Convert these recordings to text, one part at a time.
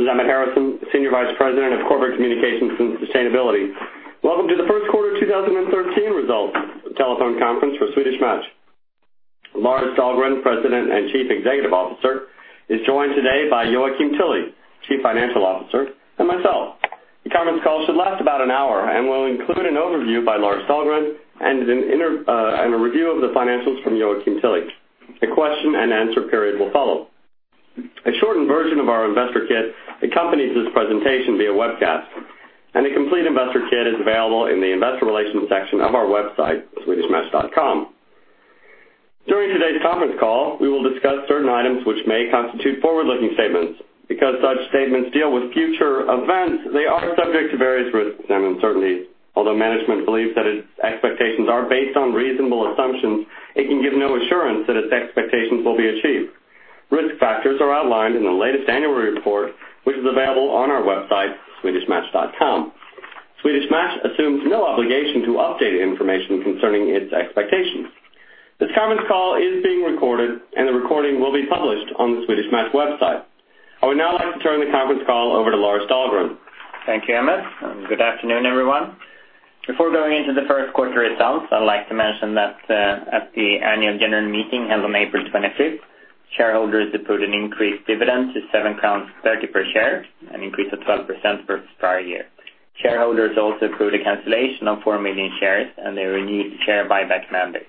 Good afternoon. This is Emmett Harrison, Senior Vice President of Corporate Communications and Sustainability. Welcome to the first quarter 2013 results telephone conference for Swedish Match. Lars Dahlgren, President and Chief Executive Officer, is joined today by Joakim Tilly, Chief Financial Officer, and myself. The conference call should last about an hour and will include an overview by Lars Dahlgren and a review of the financials from Joakim Tilly. A question and answer period will follow. A shortened version of our investor kit accompanies this presentation via webcast, and a complete investor kit is available in the investor relations section of our website, swedishmatch.com. During today's conference call, we will discuss certain items which may constitute forward-looking statements. Because such statements deal with future events, they are subject to various risks and uncertainties. Although management believes that its expectations are based on reasonable assumptions, it can give no assurance that its expectations will be achieved. Risk factors are outlined in the latest annual report, which is available on our website, swedishmatch.com. Swedish Match assumes no obligation to update information concerning its expectations. This conference call is being recorded and the recording will be published on the Swedish Match website. I would now like to turn the conference call over to Lars Dahlgren. Thank you, Emmett. Good afternoon, everyone. Before going into the first quarter results, I would like to mention that at the annual general meeting held on April 25th, shareholders approved an increased dividend to 7.30 crowns per share, an increase of 12% versus prior year. They also approved a cancellation of 4 million shares, and they renewed share buyback mandate.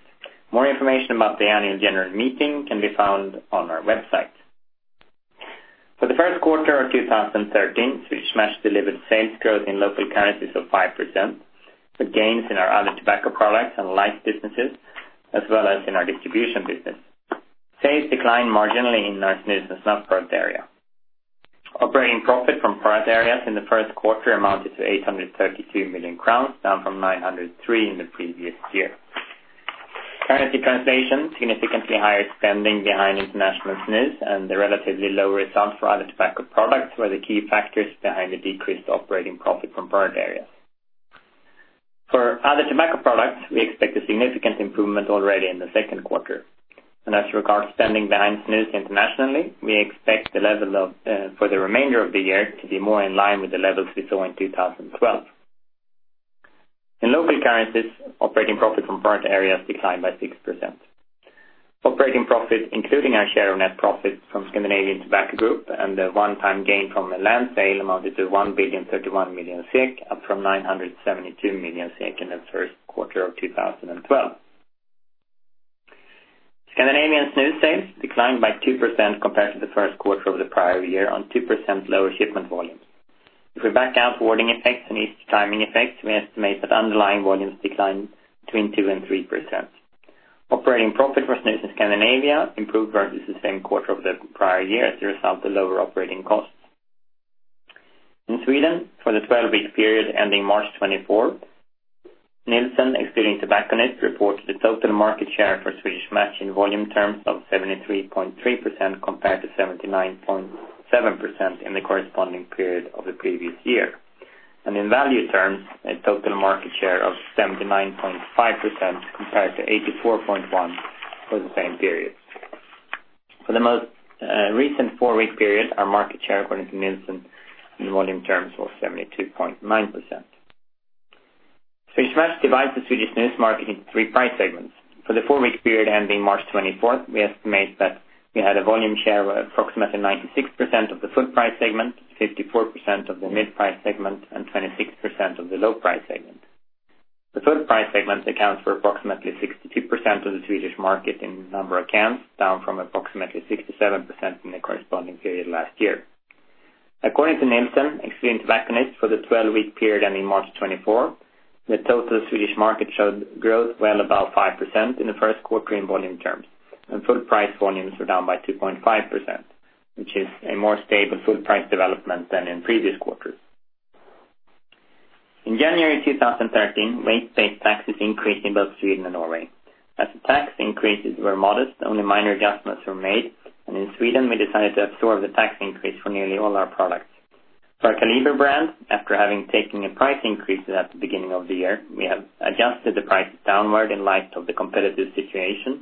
More information about the annual general meeting can be found on our website. For the first quarter of 2013, Swedish Match delivered sales growth in local currencies of 5% with gains in our other tobacco products and lights businesses, as well as in our distribution business. Sales declined marginally in [North Snus] and snuff product area. Operating profit from product areas in the first quarter amounted to 832 million crowns, down from 903 million in the previous year. Currency translation, significantly higher spending behind international snus, and the relatively lower results for other tobacco products were the key factors behind the decreased operating profit from product areas. For other tobacco products, we expect a significant improvement already in the second quarter. As regards spending behind snus internationally, we expect the level for the remainder of the year to be more in line with the levels we saw in 2012. In local currencies, operating profit from product areas declined by 6%. Operating profit, including our share of net profit from Scandinavian Tobacco Group and the one-time gain from the land sale amounted to 1,031 million, up from 972 million in the first quarter of 2012. Scandinavian snus sales declined by 2% compared to the first quarter of the prior year on 2% lower shipment volumes. If we back out wording effects and timing effects, we estimate that underlying volumes declined between 2% and 3%. Operating profit for snus in Scandinavia improved versus the same quarter of the prior year as a result of lower operating costs. In Sweden, for the 12-week period ending March 24th, Nielsen, excluding tobacconists, reports the total market share for Swedish Match in volume terms of 73.3% compared to 79.7% in the corresponding period of the previous year. In value terms, a total market share of 79.5% compared to 84.1% for the same period. For the most recent four-week period, our market share according to Nielsen in volume terms was 72.9%. Swedish Match divides the Swedish snus market into three price segments. For the four-week period ending March 24th, we estimate that we had a volume share of approximately 96% of the full-price segment, 54% of the mid-price segment, and 26% of the low-price segment. The full-price segment accounts for approximately 62% of the Swedish market in number of cans, down from approximately 67% in the corresponding period last year. According to Nielsen, excluding tobacconists, for the 12-week period ending March 24th, the total Swedish market showed growth well above 5% in the first quarter in volume terms, and full-price volumes were down by 2.5%, which is a more stable full price development than in previous quarters. In January 2013, weight-based taxes increased in both Sweden and Norway. As the tax increases were modest, only minor adjustments were made. In Sweden, we decided to absorb the tax increase for nearly all our products. For our Kaliber brand, after having taken a price increase at the beginning of the year, we have adjusted the prices downward in light of the competitive situation,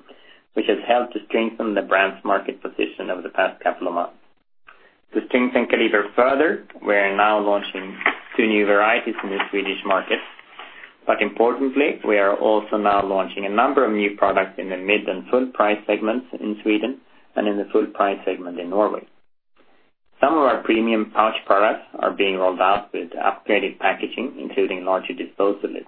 which has helped to strengthen the brand's market position over the past couple of months. To strengthen Kaliber further, we are now launching two new varieties in the Swedish market. Importantly, we are also now launching a number of new products in the mid and full-price segments in Sweden and in the full price segment in Norway. Some of our premium pouch products are being rolled out with upgraded packaging, including larger disposal lids.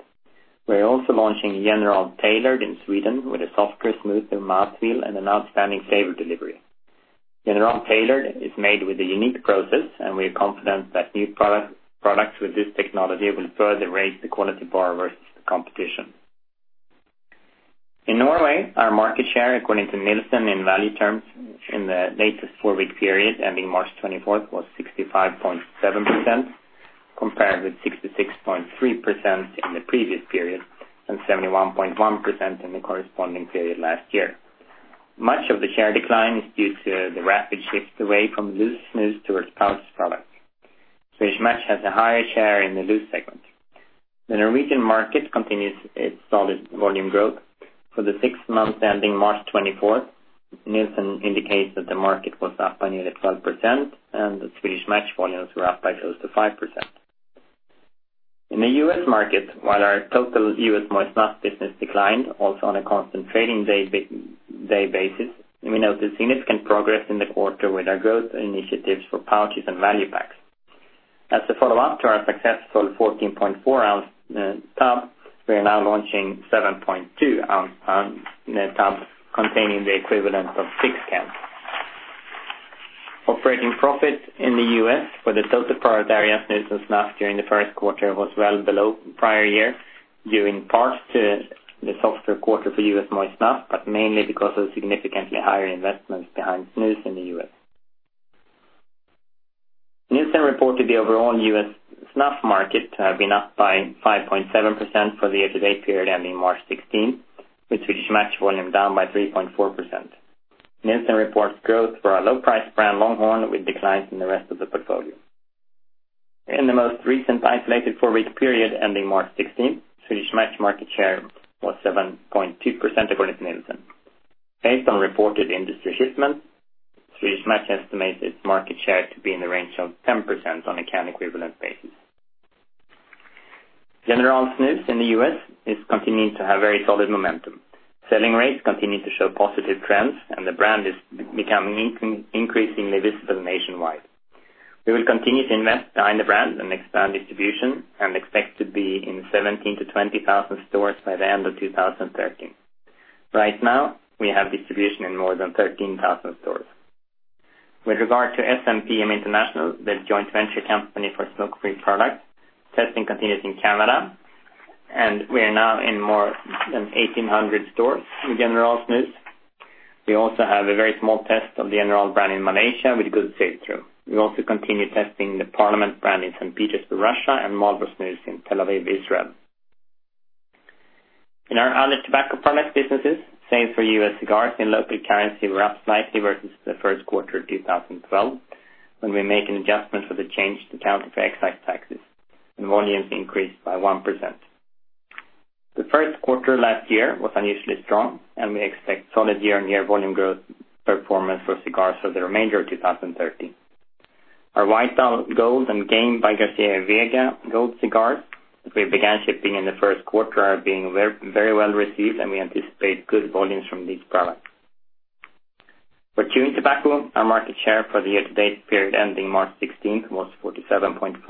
We are also launching General Tailored in Sweden with a softer, smoother mouth feel and an outstanding flavor delivery. General Tailored is made with a unique process. We are confident that new products with this technology will further raise the quality bar versus the competition. In Norway, our market share, according to Nielsen, in value terms in the latest four-week period ending March 24th, was 65.7% compared with 66.3% in the previous period and 71.1% in the corresponding period last year. Much of the share decline is due to the rapid shift away from loose snus towards pouch products. Swedish Match has a higher share in the loose segment. The Norwegian market continues its solid volume growth. For the six months ending March 24th, Nielsen indicates that the market was up by nearly 12%. The Swedish Match volumes were up by close to 5%. In the U.S. market, while our total U.S. moist snuff business declined, also on a constant trading day basis, we note the significant progress in the quarter with our growth initiatives for pouches and value packs. As a follow-up to our successful 14.4 ounce tub, we are now launching 7.2 ounce net tub containing the equivalent of six cans. Operating profit in the U.S. for the total product areas Nielsen Snuff during the first quarter was well below prior year, due in part to the softer quarter for U.S. moist snuff, but mainly because of significantly higher investments behind snus in the U.S. Nielsen reported the overall U.S. snuff market to have been up by 5.7% for the year-to-date period ending March 16th, with Swedish Match volume down by 3.4%. Nielsen reports growth for our low price brand Longhorn, with declines in the rest of the portfolio. In the most recent isolated four-week period ending March 16th, Swedish Match market share was 7.2%, according to Nielsen. Based on reported industry shipments, Swedish Match estimates its market share to be in the range of 10% on a can equivalent basis. General Snus in the U.S. is continuing to have very solid momentum. Selling rates continue to show positive trends, and the brand is becoming increasingly visible nationwide. We will continue to invest behind the brand and expand distribution, and expect to be in 17,000-20,000 stores by the end of 2013. Right now, we have distribution in more than 13,000 stores. With regard to SMPM International, the joint venture company for smoke-free products, testing continues in Canada, and we are now in more than 1,800 stores with General Snus. We also have a very small test of the General brand in Malaysia, with good sell-through. We also continue testing the Parliament brand in St. Petersburg, Russia, and Marlboro Snus in Tel Aviv, Israel. In our other tobacco product businesses, sales for U.S. cigars in local currency were up slightly versus the first quarter of 2012. When we make an adjustment for the change to account for excise taxes, and volumes increased by 1%. The first quarter last year was unusually strong, and we expect solid year-on-year volume growth performance for cigars for the remainder of 2013. Our White Owl Gold and Game by Garcia y Vega Gold cigars, we began shipping in the first quarter, are being very well received, and we anticipate good volumes from these products. For chewing tobacco, our market share for the year-to-date period ending March 16th was 47.4%,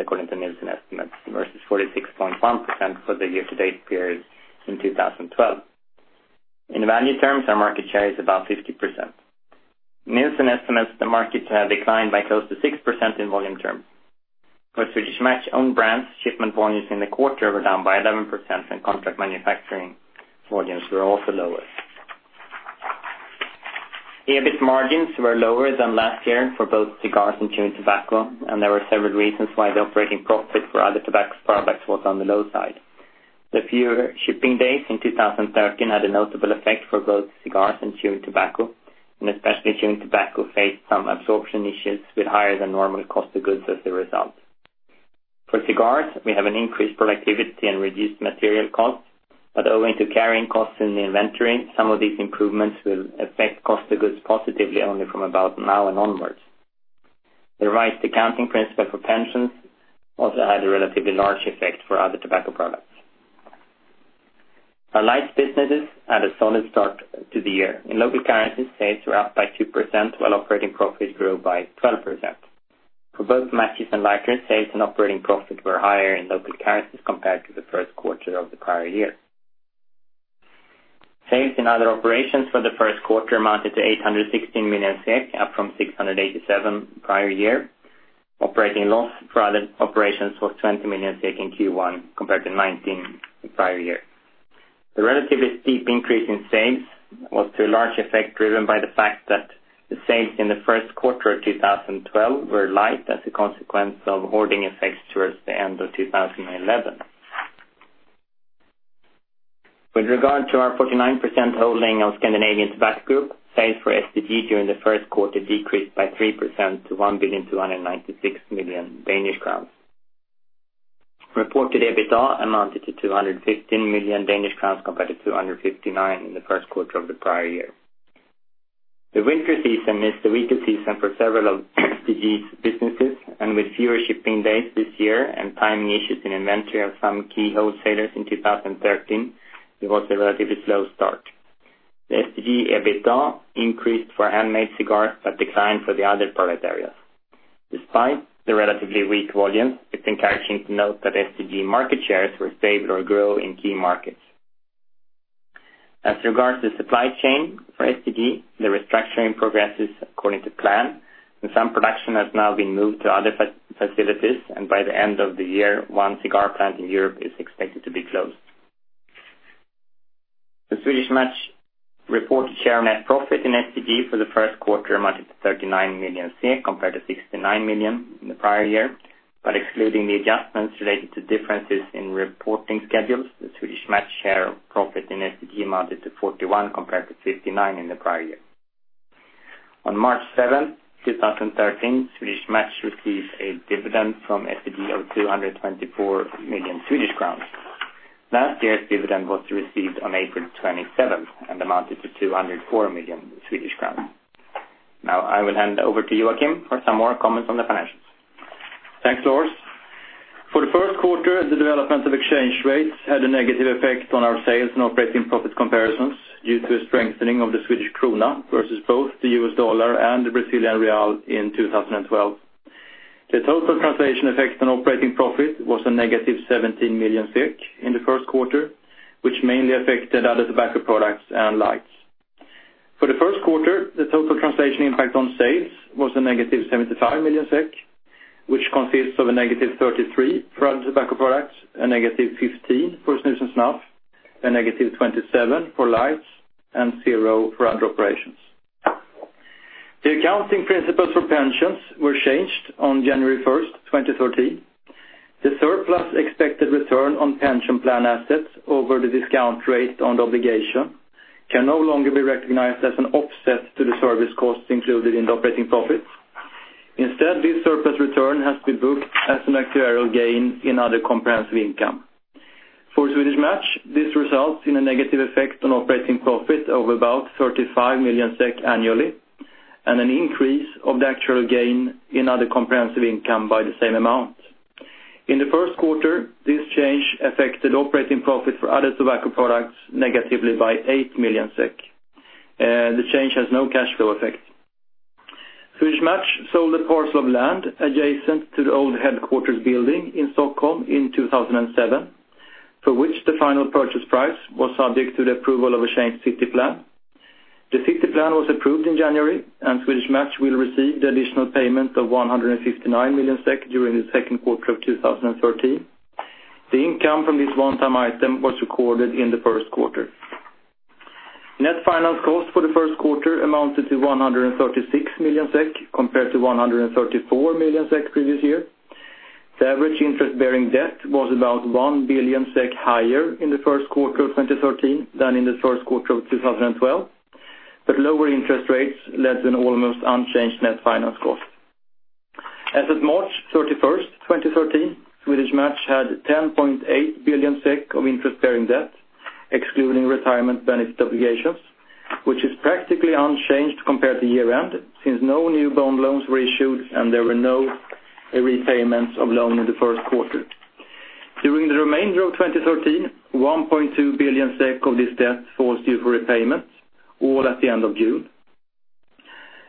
according to Nielsen estimates, versus 46.1% for the year-to-date period in 2012. In value terms, our market share is about 50%. Nielsen estimates the market to have declined by close to 6% in volume terms. For Swedish Match own brands, shipment volumes in the quarter were down by 11%, and contract manufacturing volumes were also lower. EBIT margins were lower than last year for both cigars and chewing tobacco, and there were several reasons why the operating profit for other tobacco products was on the low side. The fewer shipping days in 2013 had a notable effect for both cigars and chewing tobacco, and especially chewing tobacco faced some absorption issues with higher than normal cost of goods as a result. For cigars, we have an increased productivity and reduced material costs, but owing to carrying costs in the inventory, some of these improvements will affect cost of goods positively only from about now and onwards. The rise to accounting principle for pensions also had a relatively large effect for other tobacco products. Our lights businesses had a solid start to the year. In local currencies, sales were up by 2%, while operating profit grew by 12%. For both matches and lighters, sales and operating profit were higher in local currencies compared to the first quarter of the prior year. Sales in other operations for the first quarter amounted to 816 million SEK, up from 687 prior year. Operating loss for other operations was 20 million SEK in Q1 compared to 19 the prior year. The relatively steep increase in sales was to a large effect driven by the fact that the sales in the first quarter of 2012 were light as a consequence of hoarding effects towards the end of 2011. With regard to our 49% holding of Scandinavian Tobacco Group, sales for STG during the first quarter decreased by 3% to 1,296,000,000 Danish crowns. Reported EBITDA amounted to 215 million Danish crowns compared to 259 in the first quarter of the prior year. The winter season is the weaker season for several of STG's businesses, and with fewer shipping days this year and timing issues in inventory of some key wholesalers in 2013, it was a relatively slow start. The STG EBITDA increased for handmade cigars but declined for the other product areas. Despite the relatively weak volumes, it's encouraging to note that STG market shares were stable or grew in key markets. As regards the supply chain for STG, the restructuring progresses according to plan, and some production has now been moved to other facilities, and by the end of the year, one cigar plant in Europe is expected to be closed. The Swedish Match reported share net profit in STG for the first quarter amounted to 39 million compared to 69 million in the prior year. Excluding the adjustments related to differences in reporting schedules, the Swedish Match share of profit in STG amounted to 41 compared to 59 in the prior year. On March 7, 2013, Swedish Match received a dividend from STG of 224 million Swedish crowns. Last year's dividend was received on April 27th and amounted to 204 million Swedish crowns. Now I will hand over to Joakim for some more comments on the financials. Thanks, Lars. For the first quarter, the development of exchange rates had a negative effect on our sales and operating profit comparisons due to a strengthening of the Swedish krona versus both the US dollar and the Brazilian real in 2012. The total translation effect on operating profit was a negative 17 million SEK in the first quarter, which mainly affected other tobacco products and lights. For the first quarter, the total translation impact on sales was a negative 75 million SEK, which consists of a negative 33 for other tobacco products, a negative 15 for snus and snuff, a negative 27 for lights, and SEK zero for other operations. The accounting principles for pensions were changed on January 1st, 2013. The surplus expected return on pension plan assets over the discount rate on the obligation can no longer be recognized as an offset to the service costs included in the operating profits. Instead, this surplus return has to be booked as an actuarial gain in other comprehensive income. For Swedish Match, this results in a negative effect on operating profit of about 35 million SEK annually and an increase of the actuarial gain in other comprehensive income by the same amount. In the first quarter, this change affected operating profit for other tobacco products negatively by 8 million SEK. The change has no cash flow effect. Swedish Match sold a parcel of land adjacent to the old headquarters building in Stockholm in 2007, for which the final purchase price was subject to the approval of a changed city plan. The city plan was approved in January, and Swedish Match will receive the additional payment of 159 million SEK during the second quarter of 2013. The income from this one-time item was recorded in the first quarter. Net finance cost for the first quarter amounted to 136 million SEK compared to 134 million SEK the previous year. The average interest-bearing debt was about 1 billion SEK higher in the first quarter of 2013 than in the first quarter of 2012, but lower interest rates led to an almost unchanged net finance cost. As of March 31st, 2013, Swedish Match had 10.8 billion SEK of interest-bearing debt, excluding retirement benefit obligations, which is practically unchanged compared to year-end, since no new bond loans were issued and there were no repayments of loan in the first quarter. During the remainder of 2013, 1.2 billion SEK of this debt falls due for repayments, all at the end of June.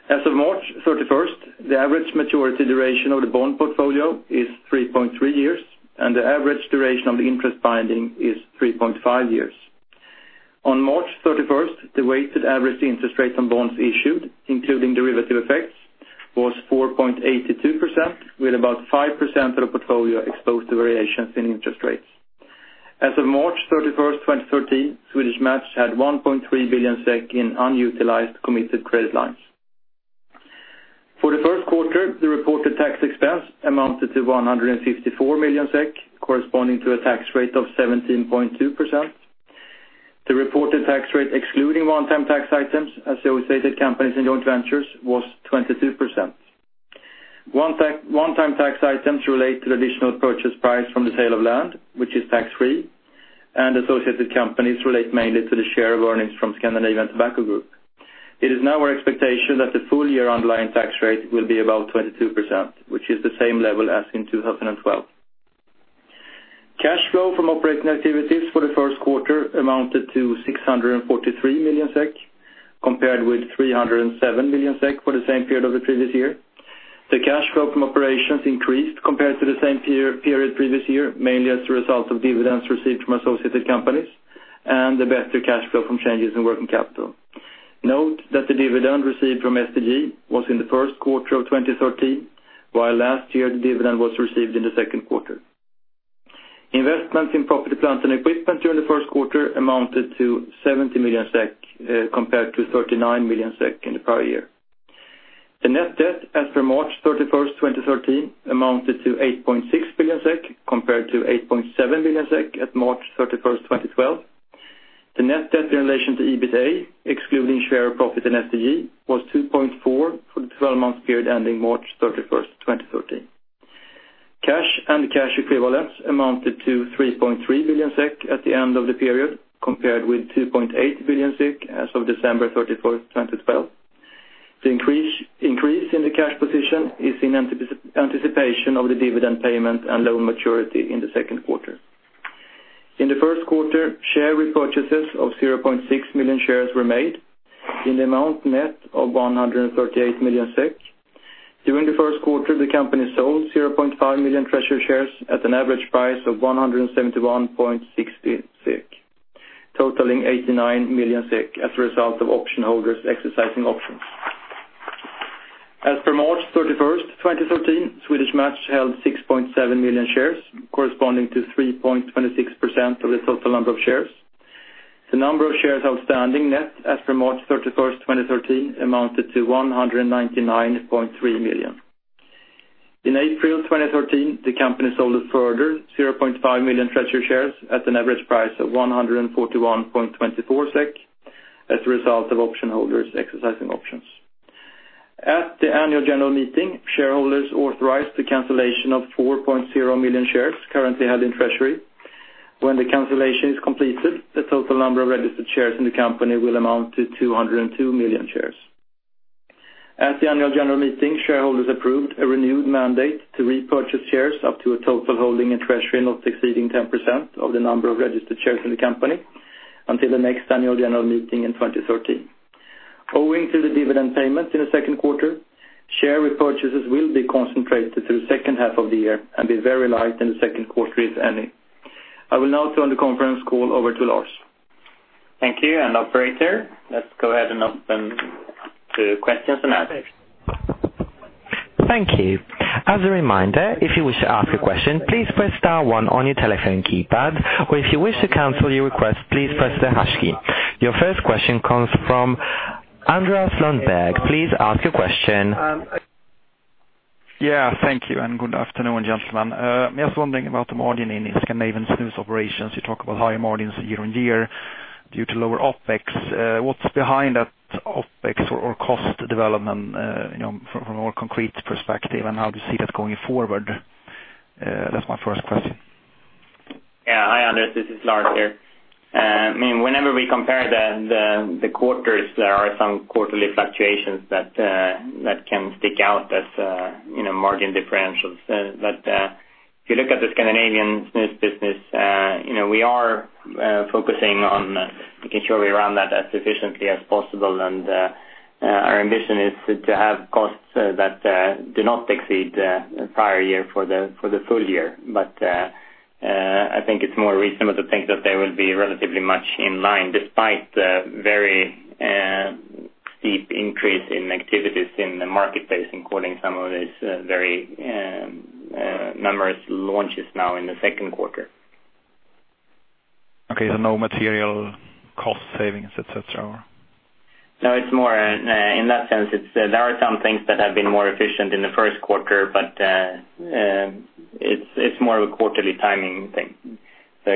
As of March 31st, the average maturity duration of the bond portfolio is 3.3 years, and the average duration of the interest binding is 3.5 years. On March 31st, the weighted average interest rate on bonds issued, including derivative effects, was 4.82%, with about 5% of the portfolio exposed to variations in interest rates. As of March 31st, 2013, Swedish Match had 1.3 billion SEK in unutilized committed credit lines. For the first quarter, the reported tax expense amounted to 154 million SEK, corresponding to a tax rate of 17.2%. The reported tax rate, excluding one-time tax items, associated companies and joint ventures, was 22%. One-time tax items relate to the additional purchase price from the sale of land, which is tax-free, and associated companies relate mainly to the share of earnings from Scandinavian Tobacco Group. It is now our expectation that the full-year underlying tax rate will be about 22%, which is the same level as in 2012. Cash flow from operating activities for the first quarter amounted to 643 million SEK, compared with 307 million SEK for the same period of the previous year. The cash flow from operations increased compared to the same period the previous year, mainly as a result of dividends received from associated companies and better cash flow from changes in working capital. Note that the dividend received from STG was in the first quarter of 2013, while last year, the dividend was received in the second quarter. Investments in property, plant, and equipment during the first quarter amounted to 70 million SEK compared to 39 million SEK in the prior year. The net debt as per March 31st, 2013, amounted to 8.6 billion SEK compared to 8.7 billion SEK at March 31st, 2012. The net debt in relation to EBITDA, excluding share profit in STG, was 2.4 for the 12-month period ending March 31st, 2013. Cash and cash equivalents amounted to 3.3 billion SEK at the end of the period, compared with 2.8 billion SEK as of December 31st, 2012. The increase in the cash position is in anticipation of the dividend payment and loan maturity in the second quarter. In the first quarter, share repurchases of 0.6 million shares were made in the amount net of 138 million SEK. During the first quarter, the company sold 0.5 million treasury shares at an average price of 171.60, totaling 89 million as a result of option holders exercising options. As per March 31st, 2013, Swedish Match held 6.7 million shares, corresponding to 3.26% of the total number of shares. The number of shares outstanding net as from March 31st, 2013, amounted to 199.3 million. In April 2013, the company sold a further 0.5 million treasury shares at an average price of 141.24 SEK as a result of option holders exercising options. At the annual general meeting, shareholders authorized the cancellation of 4.0 million shares currently held in treasury. When the cancellation is completed, the total number of registered shares in the company will amount to 202 million shares. At the annual general meeting, shareholders approved a renewed mandate to repurchase shares up to a total holding in treasury not exceeding 10% of the number of registered shares in the company until the next annual general meeting in 2013. Owing to the dividend payment in the second quarter, share repurchases will be concentrated through the second half of the year and be very light in the second quarter, if any. I will now turn the conference call over to Lars. Thank you. Operator, let's go ahead and open to questions and answers. Thank you. As a reminder, if you wish to ask a question, please press star one on your telephone keypad, or if you wish to cancel your request, please press the hash key. Your first question comes from Andreas Lundberg. Please ask your question. Thank you, and good afternoon, gentlemen. I am just wondering about the margin in the Scandinavian snus operations. You talk about higher margins year-on-year due to lower OpEx. What is behind that OpEx or cost development, from a more concrete perspective and how do you see that going forward? That is my first question. Hi, Andreas. This is Lars here. Whenever we compare the quarters, there are some quarterly fluctuations that can stick out as margin differentials. If you look at the Scandinavian snus business, we are focusing on making sure we run that as efficiently as possible. Our ambition is to have costs that do not exceed the prior year for the full year. I think it is more reasonable to think that they will be relatively much in line despite the very steep increase in activities in the marketplace, including some of these very numerous launches now in the second quarter. Okay. No material cost savings, et cetera? No, in that sense, there are some things that have been more efficient in the first quarter, but it's more of a quarterly timing thing.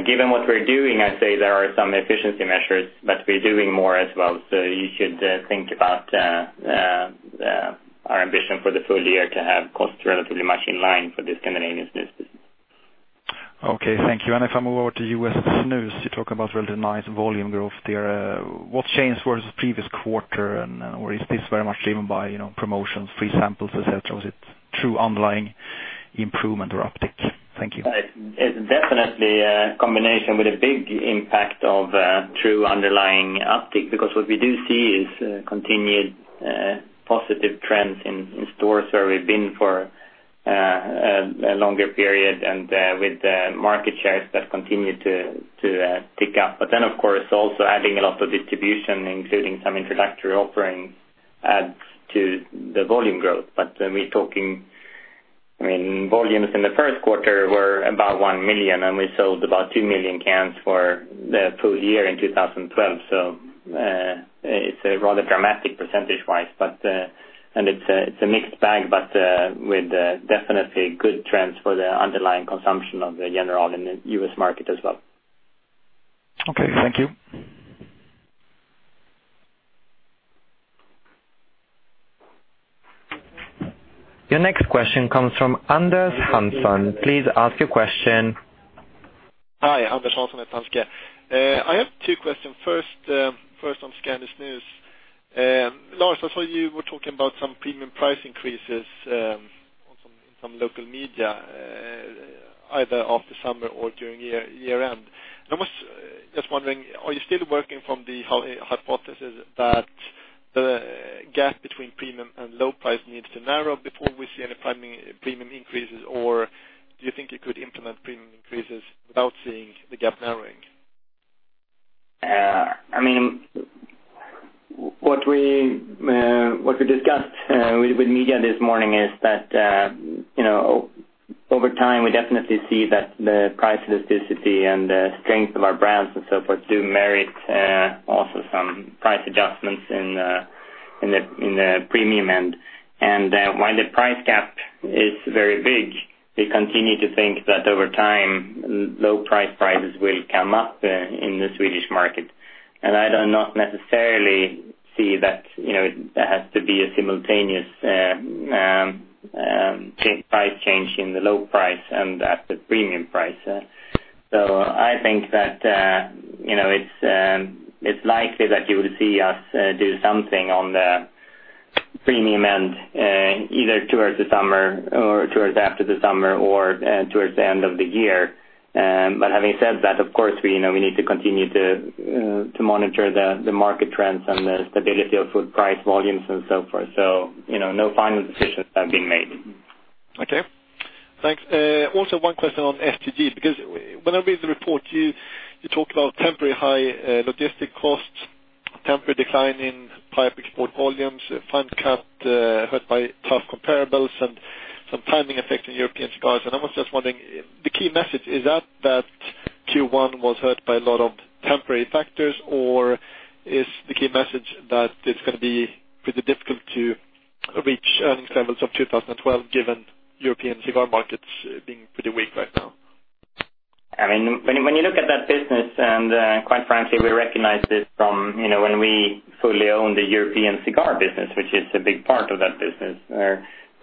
Given what we're doing, I'd say there are some efficiency measures, but we're doing more as well. You should think about our ambition for the full year to have costs relatively much in line for the Scandinavian snus business. Okay, thank you. If I move over to U.S. snus, you talk about relatively nice volume growth there. What changed versus the previous quarter? Is this very much driven by promotions, free samples, et cetera? Is it true underlying improvement or uptick? Thank you. It's definitely a combination with a big impact of true underlying uptick, because what we do see is continued positive trends in stores where we've been for a longer period and with market shares that continue to tick up. Of course, also adding a lot of distribution, including some introductory offerings, adds to the volume growth. We're talking volumes in the first quarter were about 1 million, and we sold about 2 million cans for the full year in 2012. It's rather dramatic percentage-wise. It's a mixed bag, but with definitely good trends for the underlying consumption of the General in the U.S. market as well. Okay, thank you. Your next question comes from Anders Hansson. Please ask your question. Hi, Anders Hansson at Danske Bank. I have two questions. First on Scandinavian snus. Lars, I saw you were talking about some premium price increases in some local media, either after summer or during year-end. I was just wondering, are you still working from the hypothesis that the gap between premium and low price needs to narrow before we see any premium increases? Do you think you could implement premium increases without seeing the gap narrowing? What we discussed with media this morning is that, over time, we definitely see that the price elasticity and the strength of our brands and so forth do merit also some price adjustments in the premium end. While the price gap is very big, we continue to think that over time, low price ranges will come up in the Swedish market. I do not necessarily see that there has to be a simultaneous price change in the low price and at the premium price. I think that it's likely that you will see us do something on the premium end, either towards the summer or towards after the summer or towards the end of the year. Having said that, of course, we know we need to continue to monitor the market trends and the stability of full price volumes and so forth. No final decisions have been made. Okay. Thanks. One question on STG, because when I read the report, you talk about temporary high logistic costs, temporary decline in pipe export volumes, fine cut hurt by tough comparables and some timing effect in European cigars. I was just wondering, the key message, is that Q1 was hurt by a lot of temporary factors, or is the key message that it's going to be pretty difficult to reach earnings levels of 2012 given European cigar markets being pretty weak right now? When you look at that business, quite frankly, we recognize this from when we fully owned the European cigar business, which is a big part of that business.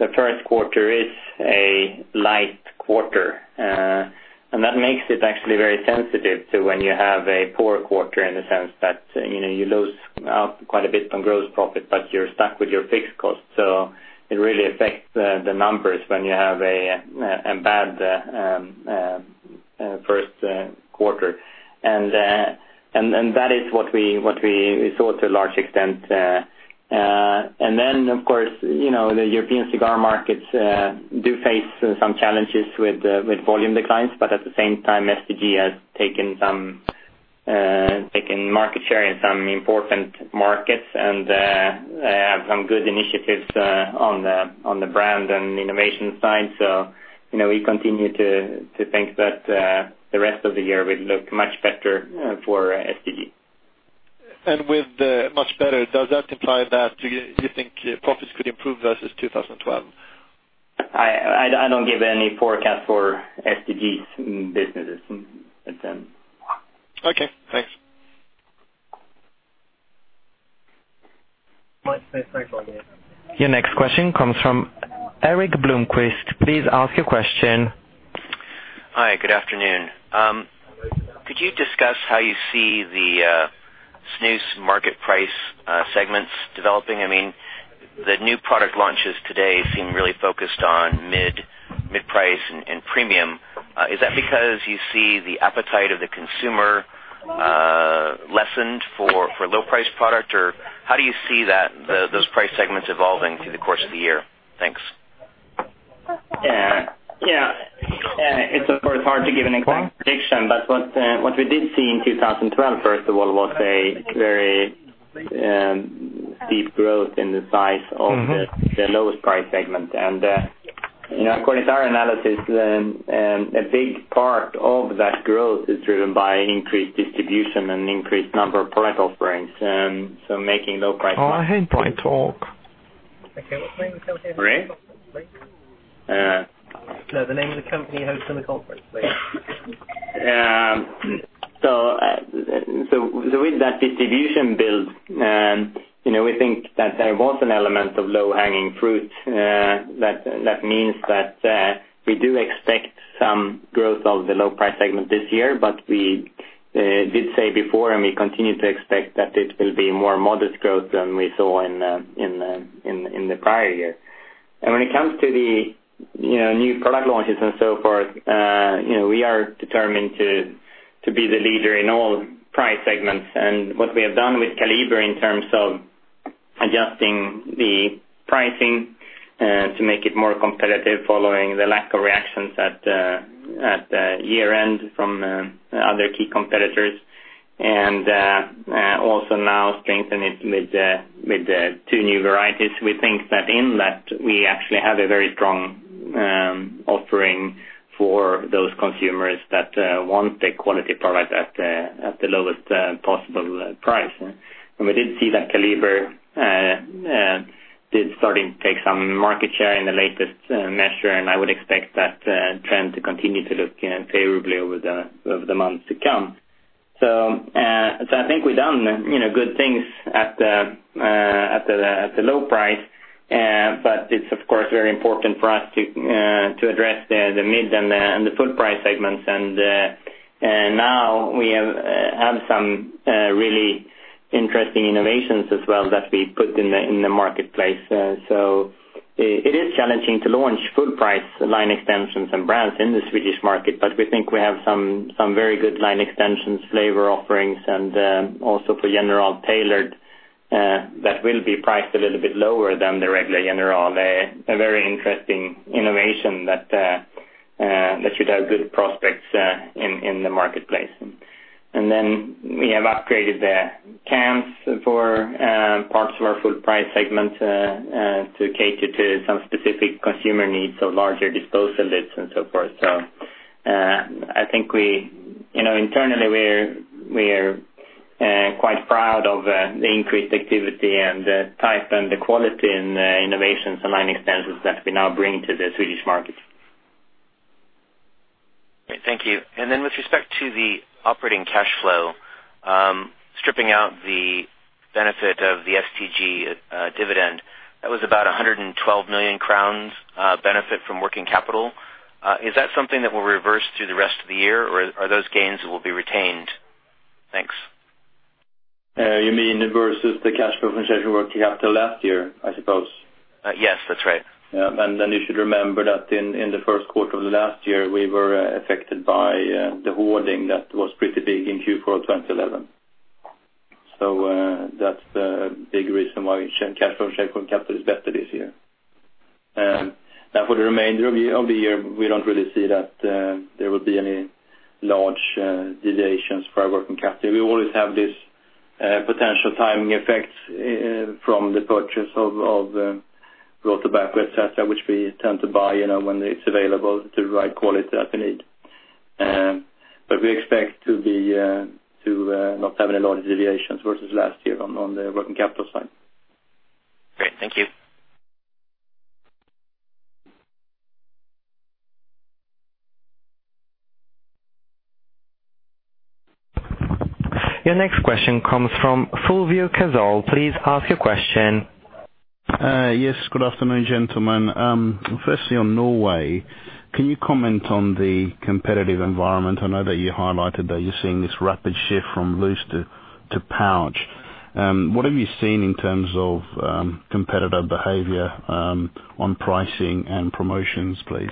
The first quarter is a light quarter, that makes it actually very sensitive to when you have a poor quarter in the sense that you lose out quite a bit on gross profit, but you're stuck with your fixed costs. It really affects the numbers when you have a bad first quarter. That is what we saw to a large extent. Of course, the European cigar markets do face some challenges with volume declines, at the same time, STG has taken market share in some important markets and have some good initiatives on the brand and innovation side. We continue to think that the rest of the year will look much better for STG. With much better, does that imply that you think profits could improve versus 2012? I don't give any forecast for STG's businesses. Okay, thanks. Your next question comes from Erik Bloomquist. Please ask your question. Hi, good afternoon. Could you discuss how you see the snus market price segments developing? The new product launches today seem really focused on mid-price and premium. Is that because you see the appetite of the consumer lessened for low price product? How do you see those price segments evolving through the course of the year? Thanks. Yeah. What we did see in 2012, first of all, was a very steep growth in the size of the lowest price segment. According to our analysis, a big part of that growth is driven by increased distribution and increased number of product offerings. Making low price- I can't quite talk. Okay. What's the name of the company hosting the conference, please? Sorry? No, the name of the company hosting the conference, please. With that distribution build, we think that there was an element of low-hanging fruit. That means that we do expect some growth of the low price segment this year. We did say before, and we continue to expect that it will be more modest growth than we saw in the prior year. When it comes to the new product launches and so forth, we are determined to be the leader in all price segments. What we have done with Kaliber in terms of adjusting the pricing to make it more competitive following the lack of reactions at year-end from other key competitors. Also now strengthen it with the two new varieties. We think that in that we actually have a very strong offering for those consumers that want a quality product at the lowest possible price. We did see that Kaliber did starting to take some market share in the latest measure, and I would expect that trend to continue to look favorably over the months to come. I think we've done good things at the low price. It's, of course, very important for us to address the mid and the full price segments. Now we have some really interesting innovations as well that we put in the marketplace. It is challenging to launch full price line extensions and brands in the Swedish market, but we think we have some very good line extensions, flavor offerings, and also for General Tailored, that will be priced a little bit lower than the regular General. A very interesting innovation that should have good prospects in the marketplace. We have upgraded the cans for parts of our full price segment to cater to some specific consumer needs, so larger disposal lids and so forth. I think internally we're quite proud of the increased activity and the type and the quality and innovations and line extensions that we now bring to the Swedish market. Great. Thank you. With respect to the operating cash flow, stripping out the benefit of the STG dividend, that was about 112 million crowns benefit from working capital. Is that something that will reverse through the rest of the year, or are those gains will be retained? Thanks. You mean versus the cash flow from working capital last year, I suppose? Yes, that's right. Yeah. Then you should remember that in the first quarter of last year, we were affected by the hoarding that was pretty big in Q4 of 2011. That's a big reason why cash flow and shape capital is better this year. Now, for the remainder of the year, we don't really see that there will be any large deviations for our working capital. We always have this Potential timing effects from the purchase of raw tobacco, which we tend to buy when it's available to the right quality that we need. We expect to not have any large deviations versus last year on the working capital side. Great. Thank you. Your next question comes from Fulvio Casal. Please ask your question. Yes, good afternoon, gentlemen. Firstly, on Norway, can you comment on the competitive environment? I know that you highlighted that you're seeing this rapid shift from loose to pouch. What have you seen in terms of competitive behavior on pricing and promotions, please?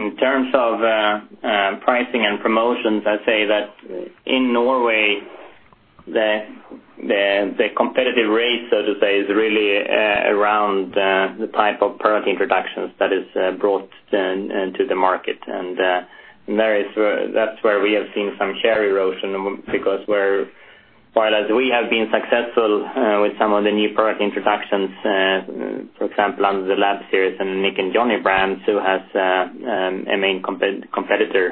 In terms of pricing and promotions, I'd say that in Norway, the competitive rate, so to say, is really around the type of product introductions that is brought into the market. That's where we have seen some share erosion, because whereas we have been successful with some of the new product introductions, for example, under The Lab Series and Nick & Johnny brands, who has a main competitor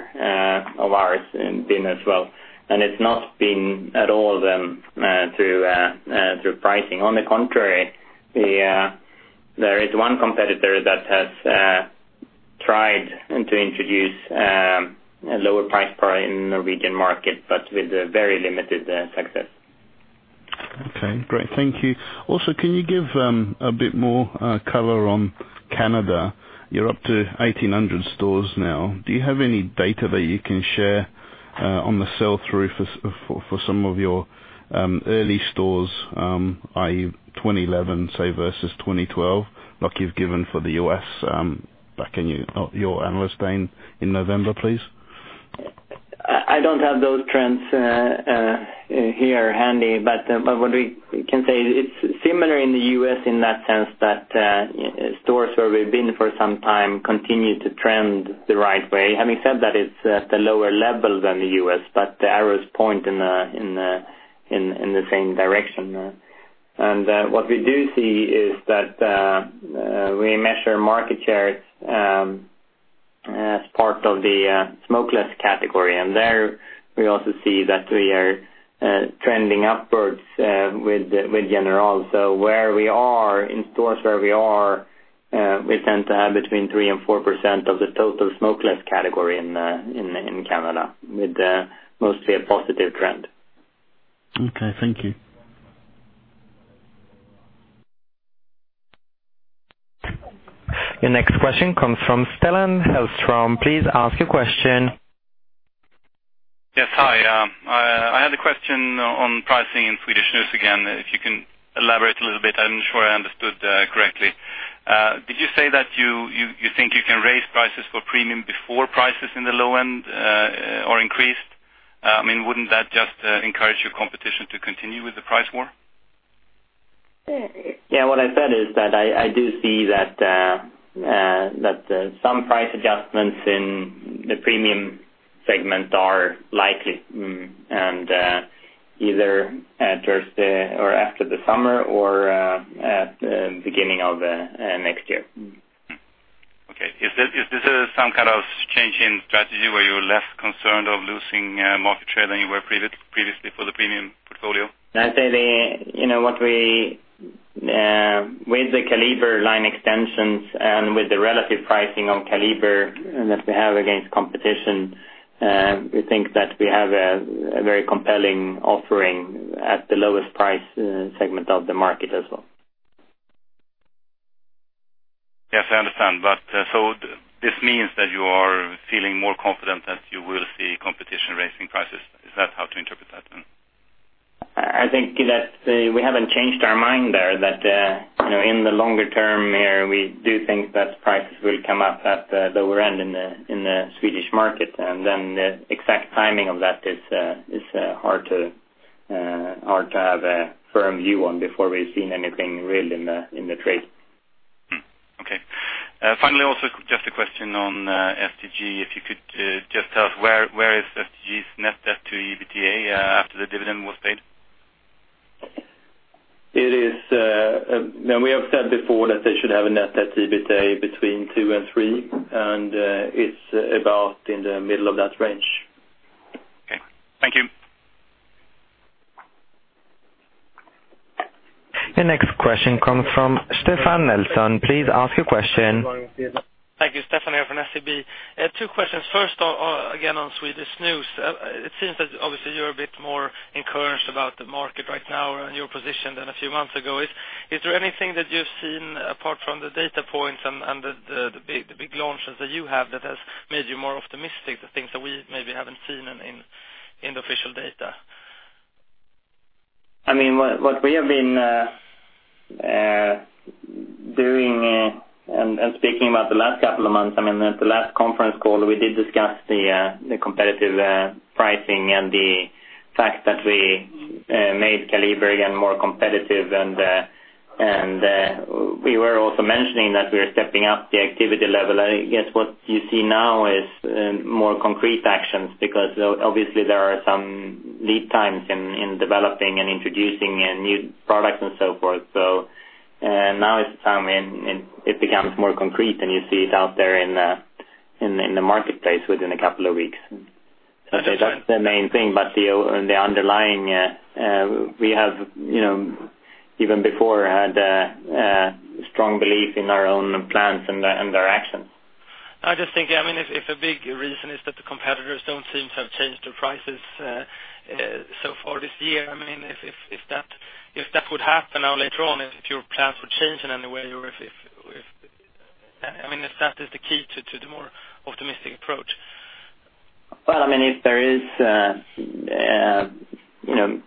of ours been as well. It's not been at all through pricing. On the contrary, there is one competitor that has tried to introduce a lower price point in Norwegian market, but with very limited success. Okay, great. Thank you. Also, can you give a bit more color on Canada? You're up to 1,800 stores now. Do you have any data that you can share on the sell-through for some of your early stores, i.e., 2011, say, versus 2012, like you've given for the U.S. back in your Analyst Day in November, please? I don't have those trends here handy. What we can say, it's similar in the U.S. in that sense that stores where we've been for some time continue to trend the right way. Having said that, it's at a lower level than the U.S., the arrows point in the same direction. What we do see is that we measure market shares as part of the smokeless category. There we also see that we are trending upwards with General. Where we are in stores where we are, we tend to have between 3% and 4% of the total smokeless category in Canada, with mostly a positive trend. Okay, thank you. Your next question comes from Stellan Hellström. Please ask your question. Yes. Hi. I had a question on pricing in Swedish snus again. If you can elaborate a little bit, I'm not sure I understood correctly. Did you say that you think you can raise prices for premium before prices in the low end are increased? Wouldn't that just encourage your competition to continue with the price war? Yeah, what I said is that I do see that some price adjustments in the premium segment are likely, either just or after the summer or at the beginning of next year. Okay. Is this some kind of change in strategy where you're less concerned of losing market share than you were previously for the premium portfolio? I'd say that with the Kaliber line extensions and with the relative pricing on Kaliber that we have against competition, we think that we have a very compelling offering at the lowest price segment of the market as well. Yes, I understand. This means that you are feeling more confident that you will see competition raising prices. Is that how to interpret that then? I think that we haven't changed our mind there, that in the longer term here, we do think that prices will come up at the lower end in the Swedish market, and then the exact timing of that is hard to have a firm view on before we've seen anything real in the trade. Okay. Finally, also just a question on STG. If you could just tell us where is STG's net debt to EBITDA after the dividend was paid? We have said before that they should have a net debt to EBITDA between two and three, and it's about in the middle of that range. Okay. Thank you. Your next question comes from Stefan Nelson. Please ask your question. Thank you. Stefan here from SEB. Two questions. First, again on Swedish snus. It seems that obviously you're a bit more encouraged about the market right now and your position than a few months ago. Is there anything that you've seen apart from the data points and the big launches that you have that has made you more optimistic? The things that we maybe haven't seen in the official data. What we have been doing and speaking about the last couple of months, at the last conference call, we did discuss the competitive pricing and the fact that we made Kaliber again more competitive. We were also mentioning that we are stepping up the activity level. I guess what you see now is more concrete actions, because obviously there are some lead times in developing and introducing new products and so forth. Now it's time it becomes more concrete, and you see it out there in the marketplace within a couple of weeks. That's the main thing. The underlying, we have, even before, had a strong belief in our own plans and directions. I just think, if a big reason is that the competitors don't seem to have changed their prices so far this year. If that would happen now later on, if your plans would change in any way, or if that is the key to the more optimistic approach. If there is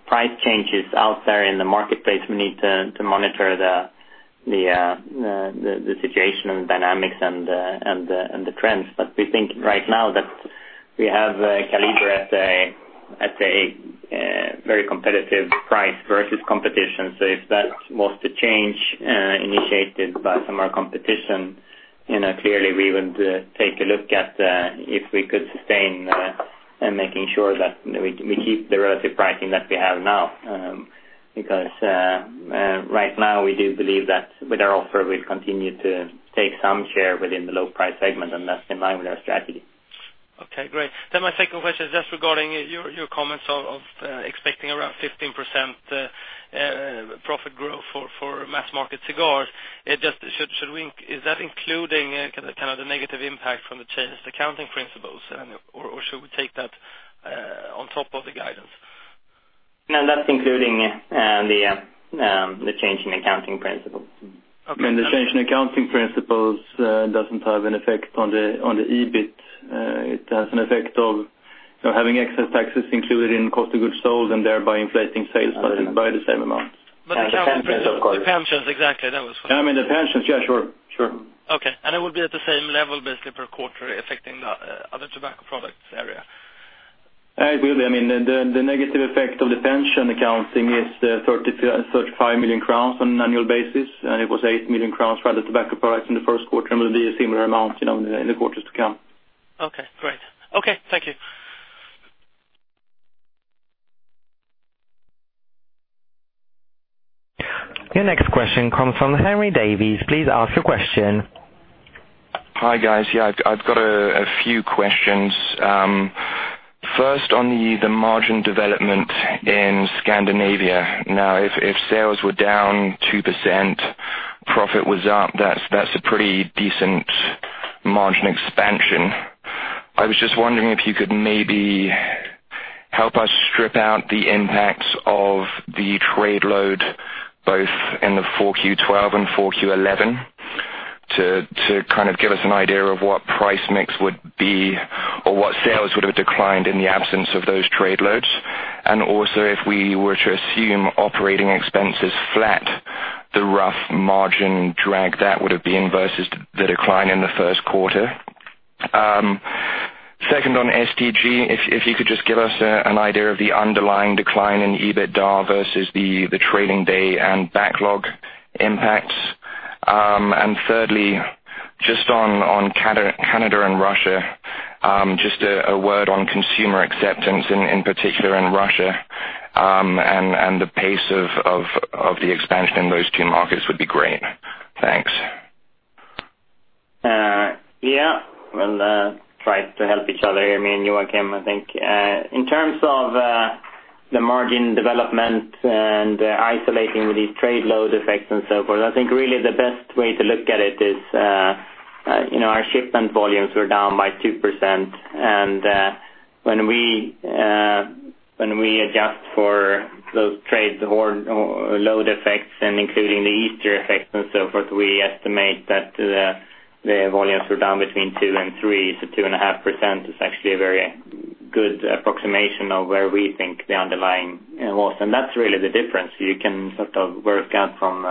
price changes out there in the marketplace, we need to monitor the situation and the dynamics and the trends. But we think right now that we have Kaliber at a very competitive price versus competition. If that was to change, initiated by some of our competition, clearly we would take a look at if we could sustain, and making sure that we keep the relative pricing that we have now. Because right now we do believe that with our offer, we'll continue to take some share within the low price segment, and that's in line with our strategy. Great. My second question is just regarding your comments of expecting around 15% profit growth for mass market cigars. Is that including kind of the negative impact from the changed accounting principles, or should we take that on top of the guidance? That's including the change in accounting principles. The change in accounting principles doesn't have an effect on the EBIT. It has an effect of having excess taxes included in cost of goods sold and thereby inflating sales by the same amount. The pensions. The pensions, of course. The pensions, exactly. That was. I mean the pensions. Yeah, sure. Okay. It would be at the same level, basically per quarter, affecting the other tobacco products area? It will be. The negative effect of the pension accounting is 35 million crowns on an annual basis. It was eight million SEK for other tobacco products in the first quarter, and will be a similar amount in the quarters to come. Okay, great. Okay, thank you. Your next question comes from Henry Davies. Please ask your question. Hi, guys. I've got a few questions. First on the margin development in Scandinavia. If sales were down 2%, profit was up, that's a pretty decent margin expansion. I was just wondering if you could maybe help us strip out the impacts of the trade load, both in the four Q 2012 and four Q 2011, to kind of give us an idea of what price mix would be, or what sales would have declined in the absence of those trade loads. Also, if we were to assume operating expenses flat, the rough margin drag that would have been versus the decline in the first quarter. Second on STG, if you could just give us an idea of the underlying decline in EBITDA versus the trading day and backlog impacts. Thirdly, just on Canada and Russia, just a word on consumer acceptance, in particular in Russia, and the pace of the expansion in those two markets would be great. Thanks. Yeah. We'll try to help each other, me and Joakim, I think. In terms of the margin development and isolating these trade load effects and so forth, I think really the best way to look at it is, our shipment volumes were down by 2%. When we adjust for those trade load effects and including the Easter effect and so forth, we estimate that the volumes were down between two and three. 2.5% is actually a very good approximation of where we think the underlying was, and that's really the difference you can sort of work out from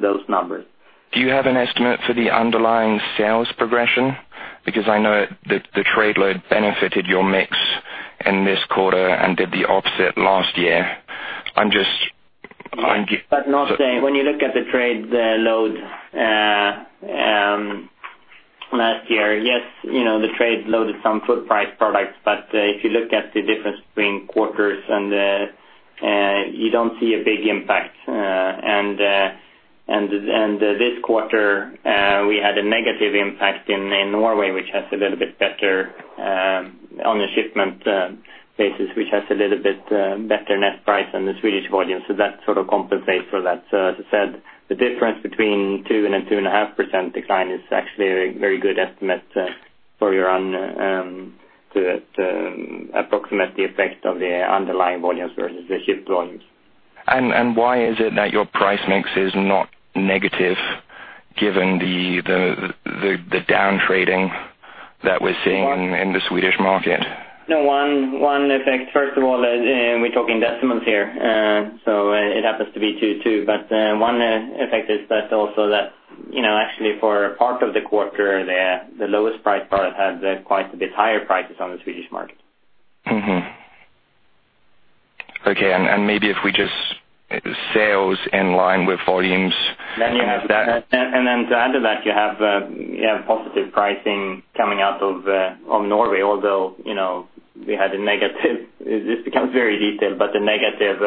those numbers. Do you have an estimate for the underlying sales progression? I know that the trade load benefited your mix in this quarter and did the opposite last year. No, when you look at the trade load last year, yes, the trade loaded some full price products. If you look at the difference between quarters and you don't see a big impact. This quarter, we had a negative impact in Norway, which has a little bit better on a shipment basis, which has a little bit better net price than the Swedish volume. That sort of compensates for that. As I said, the difference between two and a 2.5% decline is actually a very good estimate for your approximate the effect of the underlying volumes versus the shipped volumes. Why is it that your price mix is not negative given the down trading that we're seeing in the Swedish market? No, one effect, first of all, we're talking decimals here. It happens to be two too, one effect is that also that actually for a part of the quarter, the lowest price product had quite a bit higher prices on the Swedish market. Okay. Maybe if we sales in line with volumes. To add to that, you have positive pricing coming out of Norway, although we had a negative. This becomes very detailed. The negative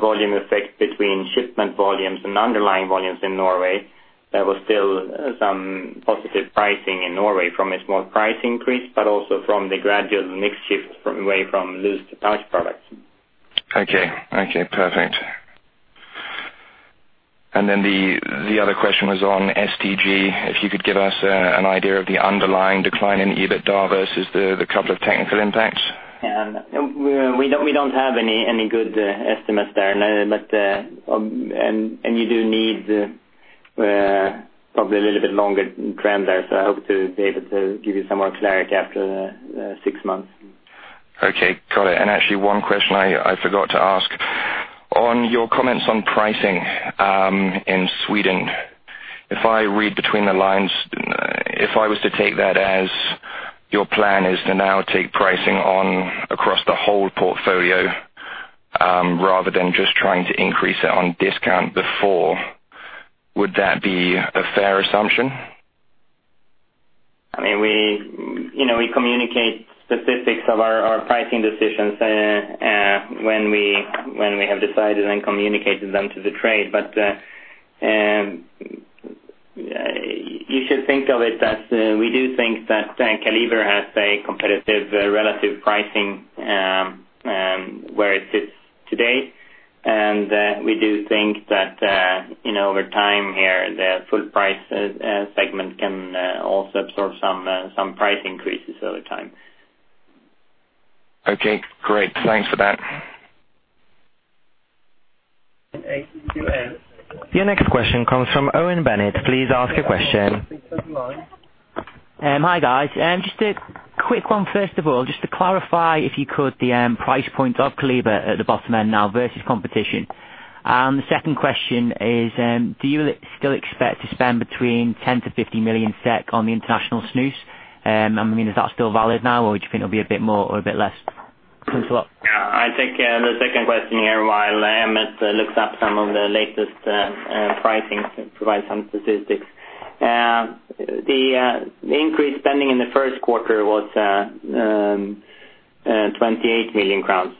volume effect between shipment volumes and underlying volumes in Norway, there was still some positive pricing in Norway from a small price increase, but also from the gradual mix shift away from loose to pouch products. Okay, perfect. The other question was on STG. If you could give us an idea of the underlying decline in EBITDA versus the couple of technical impacts. Yeah. We don't have any good estimates there. You do need probably a little bit longer trend there. I hope to be able to give you some more clarity after six months. Okay, got it. Actually, one question I forgot to ask. On your comments on pricing in Sweden. If I read between the lines, if I was to take that as your plan is to now take pricing on across the whole portfolio, rather than just trying to increase it on discount before, would that be a fair assumption? We communicate specifics of our pricing decisions when we have decided and communicated them to the trade. You should think of it that we do think that Kaliber has a competitive relative pricing where it sits today. We do think that over time here, the full price segment can also absorb some price increases over time. Okay, great. Thanks for that. Your next question comes from Owen Bennett. Please ask a question. Hi, guys. Just a quick one first of all, just to clarify if you could, the price point of Kaliber at the bottom end now versus competition. The second question is, do you still expect to spend between SEK 10 million to SEK 50 million on the international snus? Is that still valid now or do you think it'll be a bit more or a bit less? Thanks a lot. Yeah. I will take the second question here while Emmett looks up some of the latest pricing to provide some statistics. The increased spending in the first quarter was 28 million crowns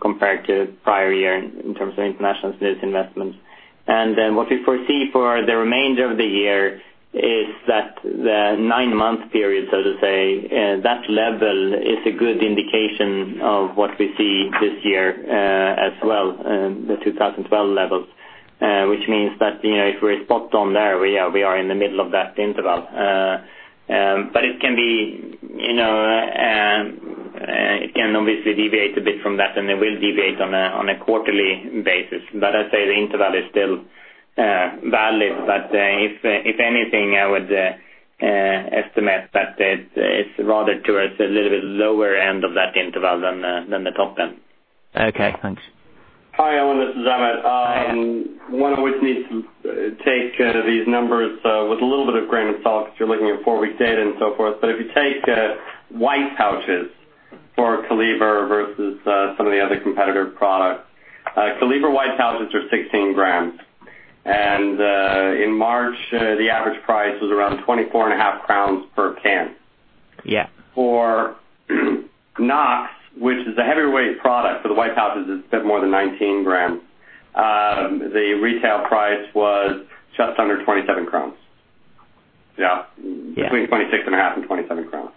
compared to prior year in terms of international snus investments. What we foresee for the remainder of the year is that the nine-month period, so to say, that level is a good indication of what we see this year as well, the 2012 levels. If we are spot on there, we are in the middle of that interval. It can obviously deviate a bit from that and it will deviate on a quarterly basis. I say the interval is still valid. If anything, I would estimate that it is rather towards a little bit lower end of that interval than the top end. Okay, thanks. Hi, Owen, this is Emmett. Hi. One always needs to take these numbers with a little bit of grain of salt because you are looking at four-week data and so forth. If you take white pouches for Kaliber versus some of the other competitor products, Kaliber white pouches are 16 grams. In March, the average price was around 24 and a half SEK per can. Yeah. For Knox, which is a heavyweight product, for the white pouches, it's a bit more than 19 grams. The retail price was just under 27 crowns. Yeah. Yeah. Between 26 and a half and 27 crowns.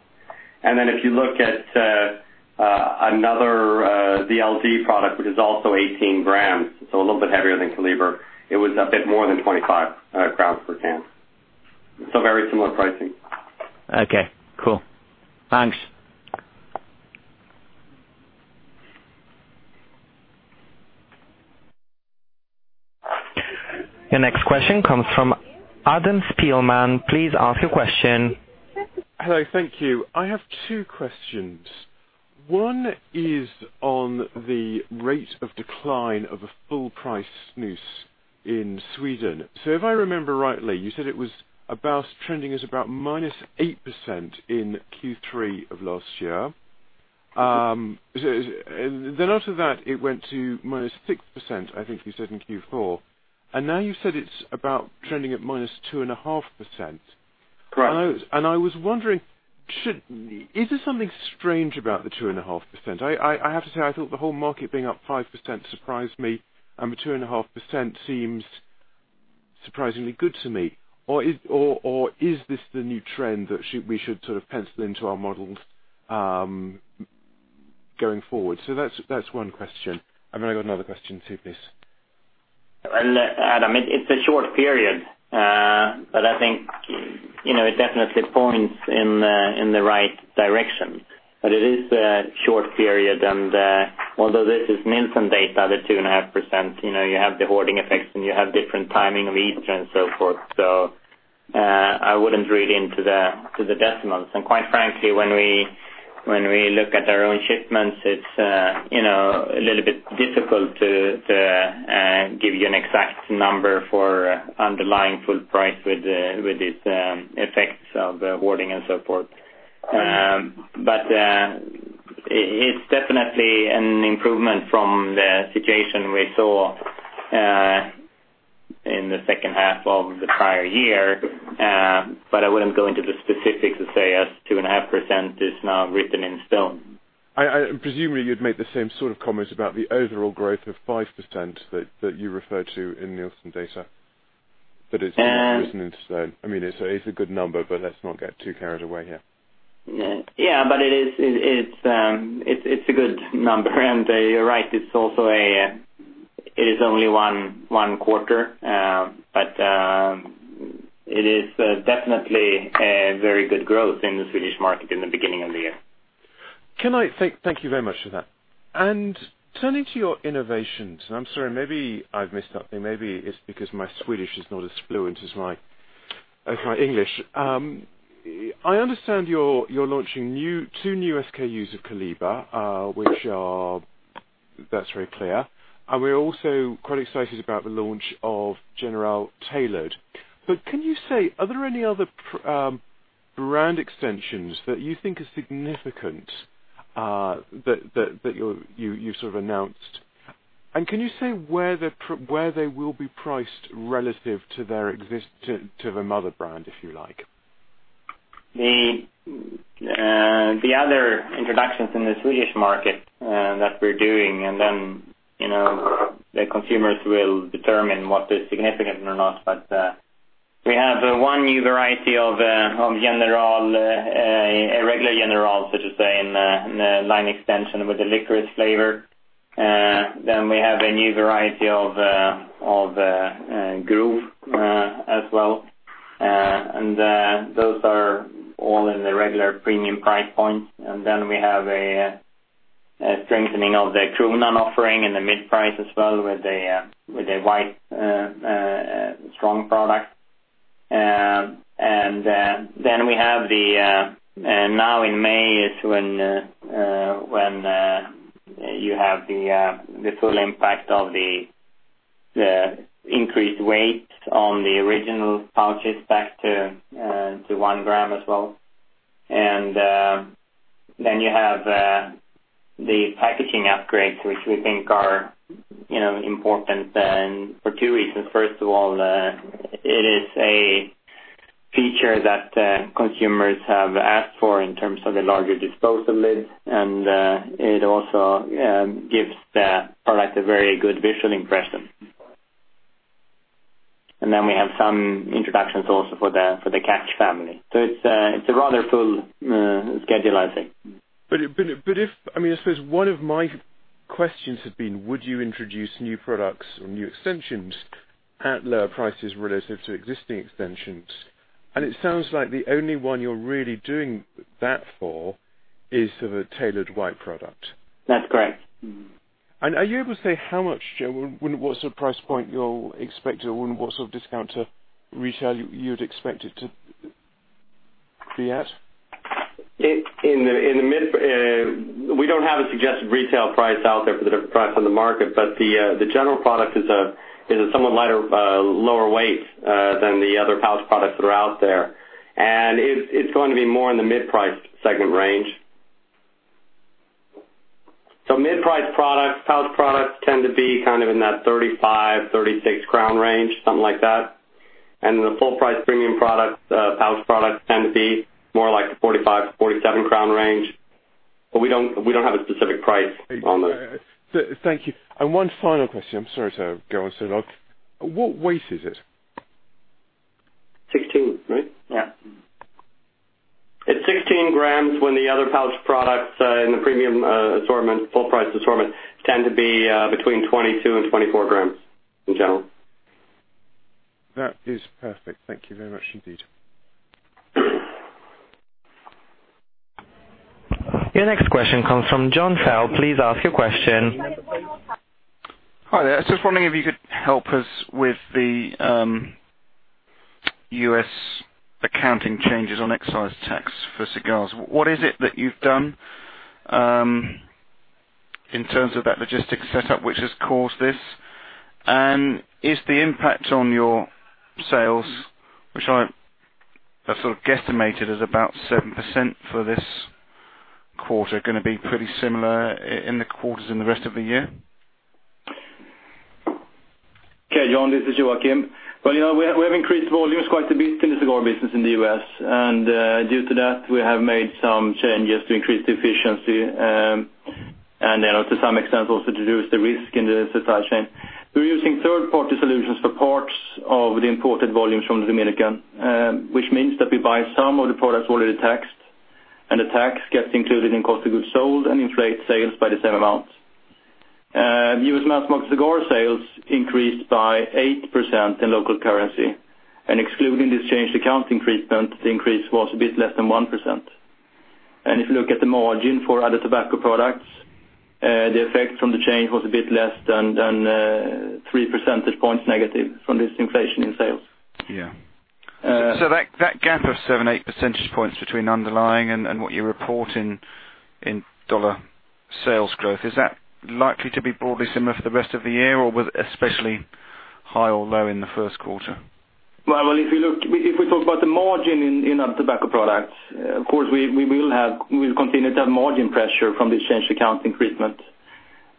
Then if you look at another VLD product, which is also 18 grams, so a little bit heavier than Kaliber, it was a bit more than 25 crowns per can. Very similar pricing. Okay, cool. Thanks. Your next question comes from Adam Spielman. Please ask your question. Hello, thank you. I have two questions. One is on the rate of decline of a full-price snus in Sweden. If I remember rightly, you said it was about trending as about -8% in Q3 of last year. After that, it went to -6%, I think you said in Q4. Now you've said it's about trending at -2.5%. Correct. I was wondering, is there something strange about the 2.5%? I have to say, I thought the whole market being up 5% surprised me, and the 2.5% seems surprisingly good to me. Is this the new trend that we should pencil into our models going forward? That's one question. I got another question too, please. Adam, it's a short period. I think it definitely points in the right direction. It is a short period and although this is Nielsen data, the 2.5%, you have the hoarding effects and you have different timing of Easter and so forth. I wouldn't read into the decimals. Quite frankly, when we look at our own shipments, it's a little bit difficult to give you an exact number for underlying full price with its effects of hoarding and so forth. It's definitely an improvement from the situation we saw in the second half of the prior year. I wouldn't go into the specifics and say a 2.5% is now written in stone. I presumably you'd make the same sort of comments about the overall growth of 5% that you referred to in Nielsen data. Uh- written in stone. It's a good number. Let's not get too carried away here. Yeah. It's a good number. You're right, it is only one quarter. It is definitely a very good growth in the Swedish market in the beginning of the year. Thank you very much for that. Turning to your innovations, I'm sorry, maybe I've missed something. Maybe it's because my Swedish is not as fluent as my English. I understand you're launching two new SKUs of Kaliber. That's very clear. We're also quite excited about the launch of General Tailored. Can you say, are there any other brand extensions that you think are significant, that you've announced? Can you say where they will be priced relative to their mother brand, if you like? The other introductions in the Swedish market that we're doing, and then the consumers will determine what is significant or not. We have one new variety of General, a regular General, such as in a line extension with a licorice flavor. We have a new variety of Grov as well. Those are all in the regular premium price point. We have a strengthening of the Kronan offering in the mid-price as well, with a white strong product. Now in May is when you have the full impact of the increased weight on the original pouches back to one gram as well. You have the packaging upgrades, which we think are important for two reasons. First of all, it is a feature that consumers have asked for in terms of the larger disposal lids. It also gives the product a very good visual impression. We have some introductions also for the Catch family. It's a rather full schedule, I think. I suppose one of my questions have been, would you introduce new products or new extensions at lower prices relative to existing extensions? It sounds like the only one you're really doing that for is the Tailored white product. That's correct. Mm-hmm. Are you able to say how much, what's the price point you're expecting, or what sort of discount to retail you'd expect it to be at? We don't have a suggested retail price out there for the price on the market. The General product is a somewhat lighter, lower weight than the other pouch products that are out there. It's going to be more in the mid-price segment range. Mid-price products, pouch products tend to be in that 35-36 crown range, something like that. The full-price premium products, pouch products tend to be more like the 45-47 crown range. We don't have a specific price on that. Thank you. One final question. I'm sorry to go on so long. What weight is it? 16, right? Yeah. It's 16 grams when the other pouch products in the premium assortment, full-price assortment tend to be between 22 and 24 grams in general. That is perfect. Thank you very much indeed. Your next question comes from Jon Fell. Please ask your question. One more time. Hi there. I was just wondering if you could help us with the U.S. accounting changes on excise tax for cigars. What is it that you've done in terms of that logistics setup, which has caused this? Is the impact on your sales, which I've guesstimated at about 7% for this quarter, going to be pretty similar in the quarters in the rest of the year? Okay, Jon, this is Joakim. Well, we have increased volumes quite a bit in the cigar business in the U.S. Due to that, we have made some changes to increase the efficiency, and to some extent, also to reduce the risk in the supply chain. We're using third-party solutions for parts of the imported volumes from the Dominican. Which means that we buy some of the products already taxed, and the tax gets included in cost of goods sold and inflate sales by the same amount. U.S. mass market cigar sales increased by 8% in local currency. Excluding this changed accounting treatment, the increase was a bit less than 1%. If you look at the margin for other tobacco products. The effect from the change was a bit less than three percentage points negative from this inflation in sales. Yeah. That gap of seven, eight percentage points between underlying and what you report in $ sales growth, is that likely to be broadly similar for the rest of the year, or was it especially high or low in the first quarter? Well, if we talk about the margin in our tobacco products, of course, we will continue to have margin pressure from the exchange accounts increase.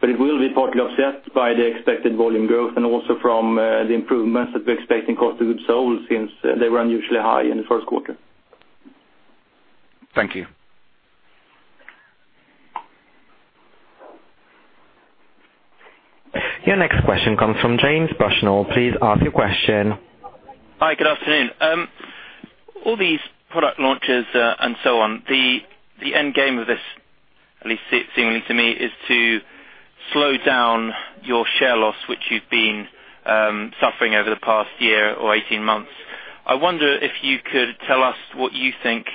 It will be partly offset by the expected volume growth and also from the improvements that we're expecting cost of goods sold, since they were unusually high in the first quarter. Thank you. Your next question comes from James Bushnell. Please ask your question. Hi, good afternoon. All these product launches and so on, the end game of this, at least seemingly to me, is to slow down your share loss, which you've been suffering over the past year or 18 months. I wonder if you could tell us what you think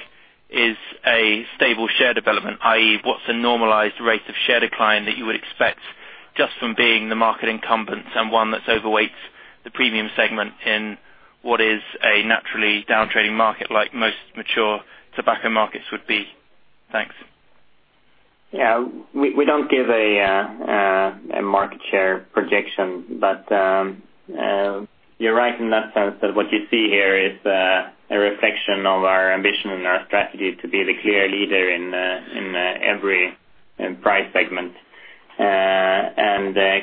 is a stable share development, i.e., what's the normalized rate of share decline that you would expect just from being the market incumbent and one that overweights the premium segment in what is a naturally downtrading market, like most mature tobacco markets would be. Thanks. Yeah, we don't give a market share projection. You're right in that sense that what you see here is a reflection of our ambition and our strategy to be the clear leader in every price segment.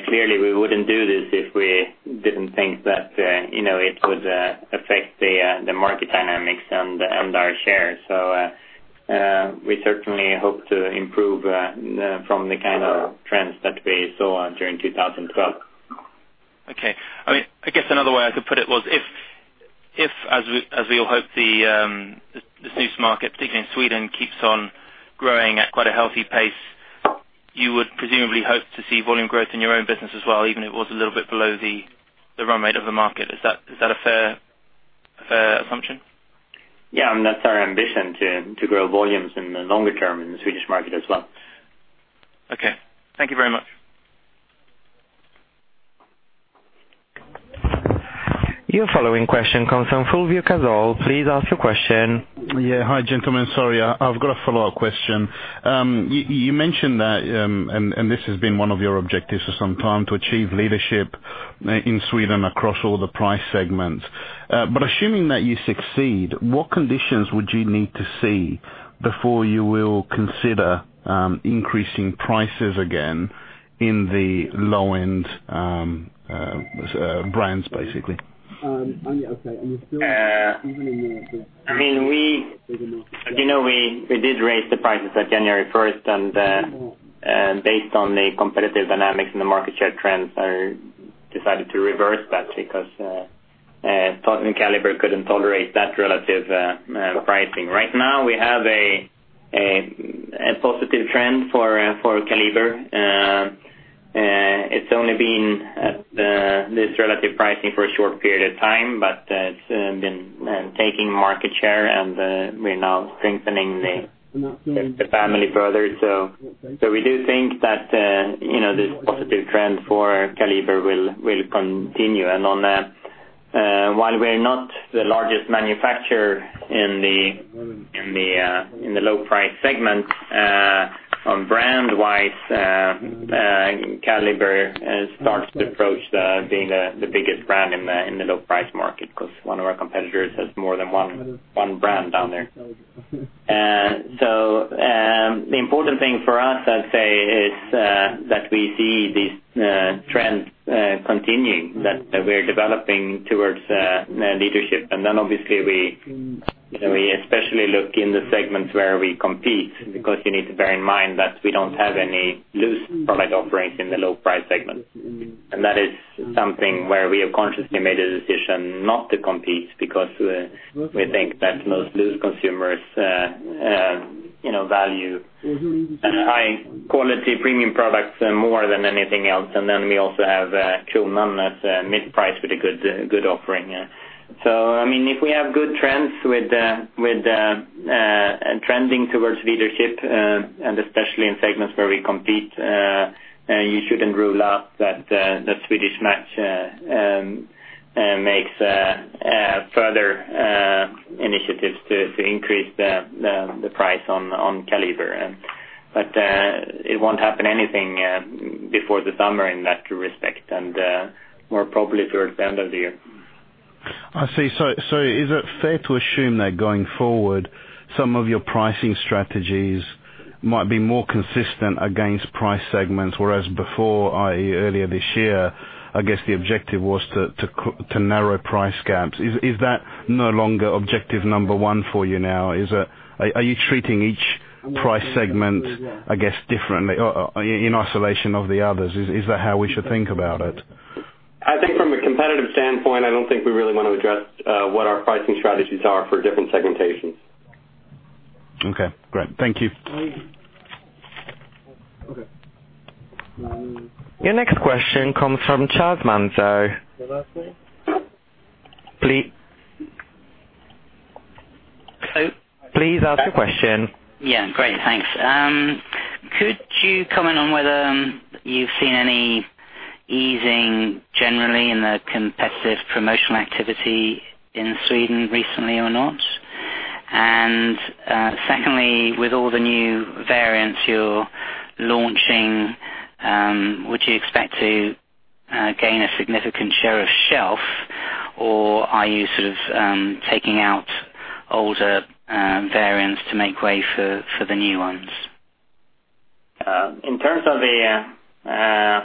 Clearly we wouldn't do this if we didn't think that it would affect the market dynamics and our shares. We certainly hope to improve from the kind of trends that we saw during 2012. Okay. I guess another way I could put it was, if, as we all hope, the loose market, particularly in Sweden, keeps on growing at quite a healthy pace, you would presumably hope to see volume growth in your own business as well, even if it was a little bit below the run rate of the market. Is that a fair assumption? Yeah, that's our ambition, to grow volumes in the longer term in the Swedish market as well. Okay. Thank you very much. Your following question comes from Fulvio Casal. Please ask your question. Yeah. Hi, gentlemen. Sorry, I've got a follow-up question. You mentioned that, and this has been one of your objectives for some time, to achieve leadership in Sweden across all the price segments. Assuming that you succeed, what conditions would you need to see before you will consider increasing prices again in the low-end brands, basically? As you know, we did raise the prices at January 1st, and based on the competitive dynamics and the market share trends, decided to reverse that because Kaliber and Kaliber couldn't tolerate that relative pricing. Right now, we have a positive trend for Kaliber. It's only been at this relative pricing for a short period of time, but it's been taking market share, and we're now strengthening the family further. We do think that this positive trend for Kaliber will continue. While we're not the largest manufacturer in the low price segment, brand-wise, Kaliber starts to approach being the biggest brand in the low price market, because one of our competitors has more than one brand down there. The important thing for us, I'd say, is that we see these trends continuing, that we're developing towards leadership. Obviously, we especially look in the segments where we compete, because you need to bear in mind that we don't have any loose product offerings in the low price segment. That is something where we have consciously made a decision not to compete because we think that most loose consumers value high quality premium products more than anything else. Then we also have Kronan as a mid-price with a good offering. If we have good trends with trending towards leadership, and especially in segments where we compete, you shouldn't rule out that Swedish Match makes further initiatives to increase the price on Kaliber. It won't happen anything before the summer in that respect, and more probably towards the end of the year. I see. Is it fair to assume that going forward, some of your pricing strategies might be more consistent against price segments, whereas before, i.e., earlier this year, I guess the objective was to narrow price gaps. Is that no longer objective number one for you now? Are you treating each price segment, I guess, differently or in isolation of the others? Is that how we should think about it? I think from a competitive standpoint, I don't think we really want to address what our pricing strategies are for different segmentations. Okay, great. Thank you. Your next question comes from Chas Manzo. Please ask your question. Yeah. Great. Thanks. Could you comment on whether you've seen any easing generally in the competitive promotional activity in Sweden recently or not? Secondly, with all the new variants you're launching, would you expect to gain a significant share of shelf, or are you sort of taking out older variants to make way for the new ones? In terms of the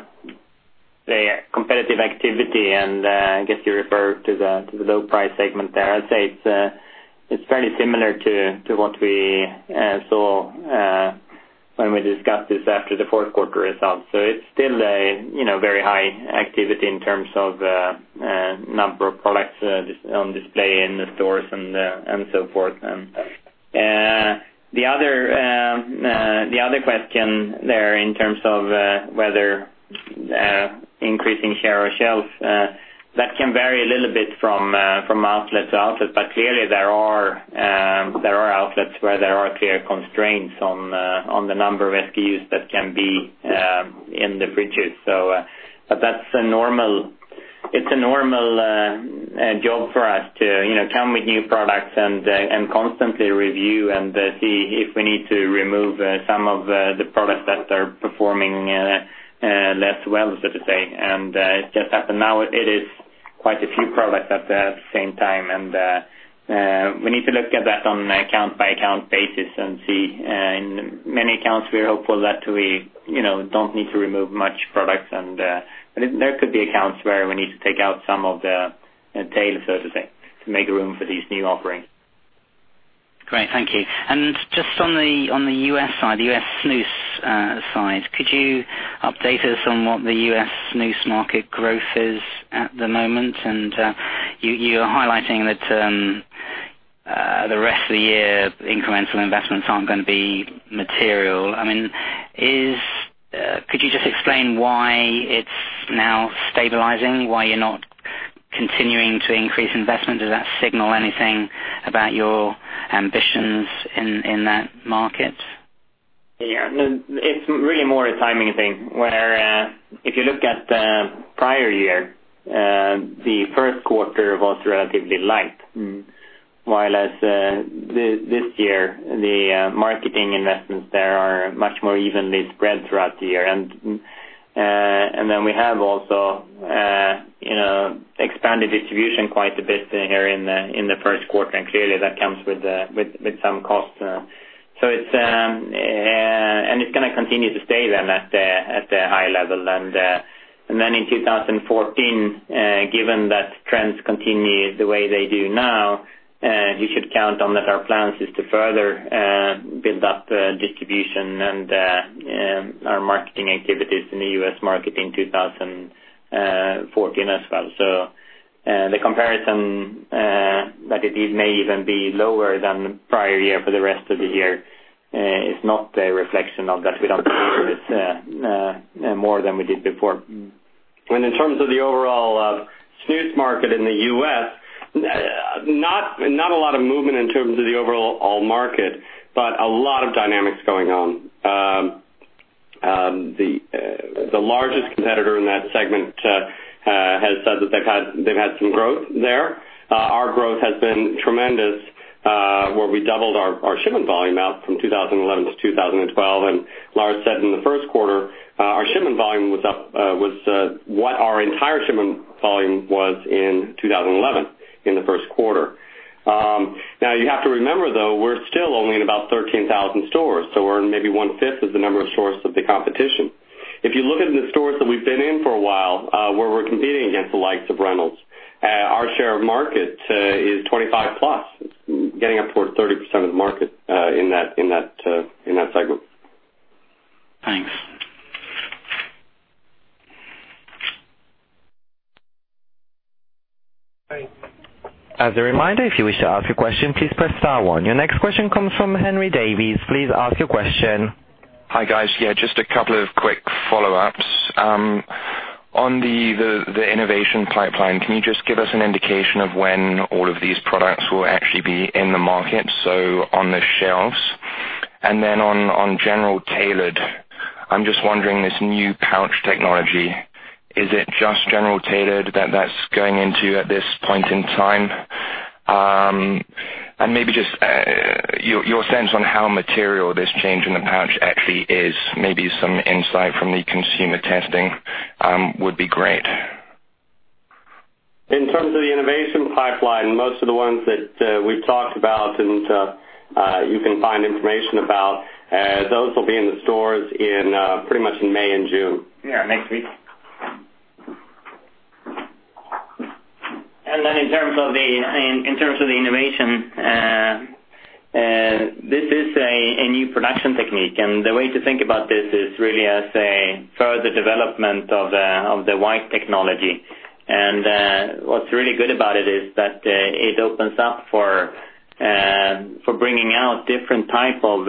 competitive activity, I guess you refer to the low price segment there, I'd say it's fairly similar to what we saw when we discussed this after the fourth quarter results. It's still a very high activity in terms of number of products on display in the stores and so forth. The other question there in terms of whether increasing share or shelf, that can vary a little bit from outlet to outlet. Clearly there are outlets where there are clear constraints on the number of SKUs that can be in the fridges. It's a normal job for us to come with new products and constantly review and see if we need to remove some of the products that are performing less well, so to say. It just happened now, it is quite a few products at the same time. We need to look at that on an account-by-account basis and see. In many accounts, we are hopeful that we don't need to remove much products. There could be accounts where we need to take out some of the tail, so to say, to make room for these new offerings. Great. Thank you. Just on the U.S. side, U.S. snus side, could you update us on what the U.S. snus market growth is at the moment? You are highlighting that the rest of the year, incremental investments aren't going to be material. Could you just explain why it's now stabilizing, why you're not continuing to increase investment? Does that signal anything about your ambitions in that market? It's really more a timing thing, where if you look at the prior year, the first quarter was relatively light. This year, the marketing investments there are much more evenly spread throughout the year. We have also expanded distribution quite a bit here in the first quarter, and clearly that comes with some costs. It's going to continue to stay at the high level. In 2014, given that trends continue the way they do now, you should count on that our plans is to further build up distribution and our marketing activities in the U.S. market in 2014 as well. The comparison that it may even be lower than the prior year for the rest of the year, is not a reflection of that. We don't believe it's more than we did before. In terms of the overall snus market in the U.S., not a lot of movement in terms of the overall market, but a lot of dynamics going on. The largest competitor in that segment has said that they've had some growth there. Our growth has been tremendous, where we doubled our shipment volume out from 2011 to 2012. Lars said in the first quarter, our shipment volume was what our entire shipment volume was in 2011 in the first quarter. You have to remember though, we're still only in about 13,000 stores, so we're in maybe one fifth of the number of stores of the competition. If you look at the stores that we've been in for a while, where we're competing against the likes of Reynolds, our share of market is 25 plus. It's getting up towards 30% of the market in that segment. Thanks. As a reminder, if you wish to ask your question, please press star one. Your next question comes from Henry Davies. Please ask your question. Hi, guys. Just a couple of quick follow-ups. On the innovation pipeline, can you just give us an indication of when all of these products will actually be in the market, so on the shelves? On General Tailored, I'm just wondering, this new pouch technology, is it just General Tailored that's going into at this point in time? Maybe just your sense on how material this change in the pouch actually is. Maybe some insight from the consumer testing would be great. In terms of the innovation pipeline, most of the ones that we've talked about and you can find information about, those will be in the stores pretty much in May and June. Next week. In terms of the innovation, this is a new production technique. The way to think about this is really as a further development of the white technology. What's really good about it is that it opens up for bringing out different type of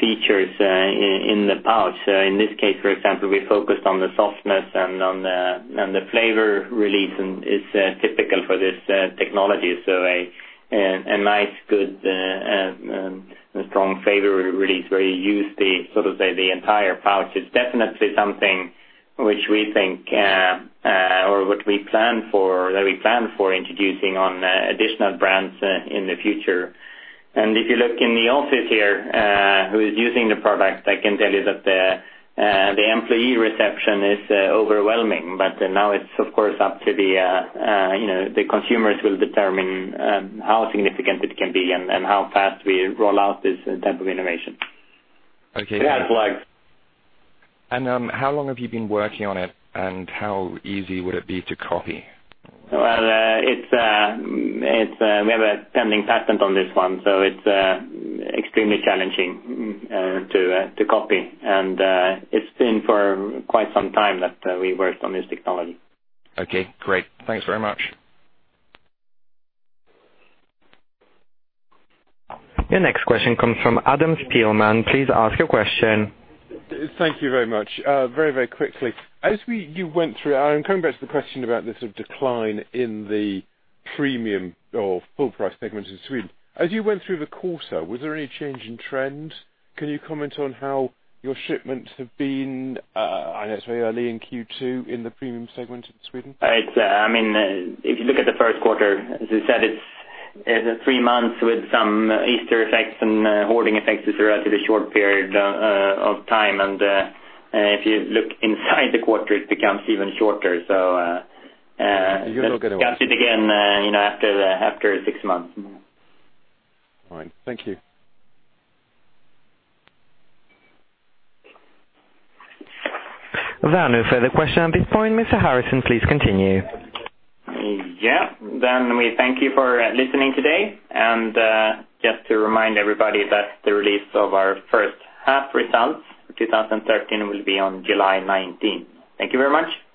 features in the pouch. In this case, for example, we focused on the softness and on the flavor release, and it's typical for this technology. A nice, good, and strong flavor release where you use the entire pouch. It's definitely something which we think or that we plan for introducing on additional brands in the future. If you look in the office here who is using the product, I can tell you that the employee reception is overwhelming. Now it's, of course, up to the consumers who will determine how significant it can be and how fast we roll out this type of innovation. Okay. How long have you been working on it, and how easy would it be to copy? Well, we have a pending patent on this one, so it's extremely challenging to copy. It's been for quite some time that we worked on this technology. Okay, great. Thanks very much. Your next question comes from Adam Spielman. Please ask your question. Thank you very much. Very quickly, as you went through, I am coming back to the question about this decline in the premium or full price segment in Sweden. As you went through the quarter, was there any change in trend? Can you comment on how your shipments have been, I know it is very early in Q2, in the premium segment in Sweden? If you look at the first quarter, as you said, it is three months with some Easter effects and hoarding effects. It is a relatively short period of time. If you look inside the quarter, it becomes even shorter. Discuss it again after six months. All right. Thank you. There are no further questions at this point. Mr. Harrison, please continue. Yeah. We thank you for listening today. Just to remind everybody that the release of our first half results for 2013 will be on July 19th. Thank you very much.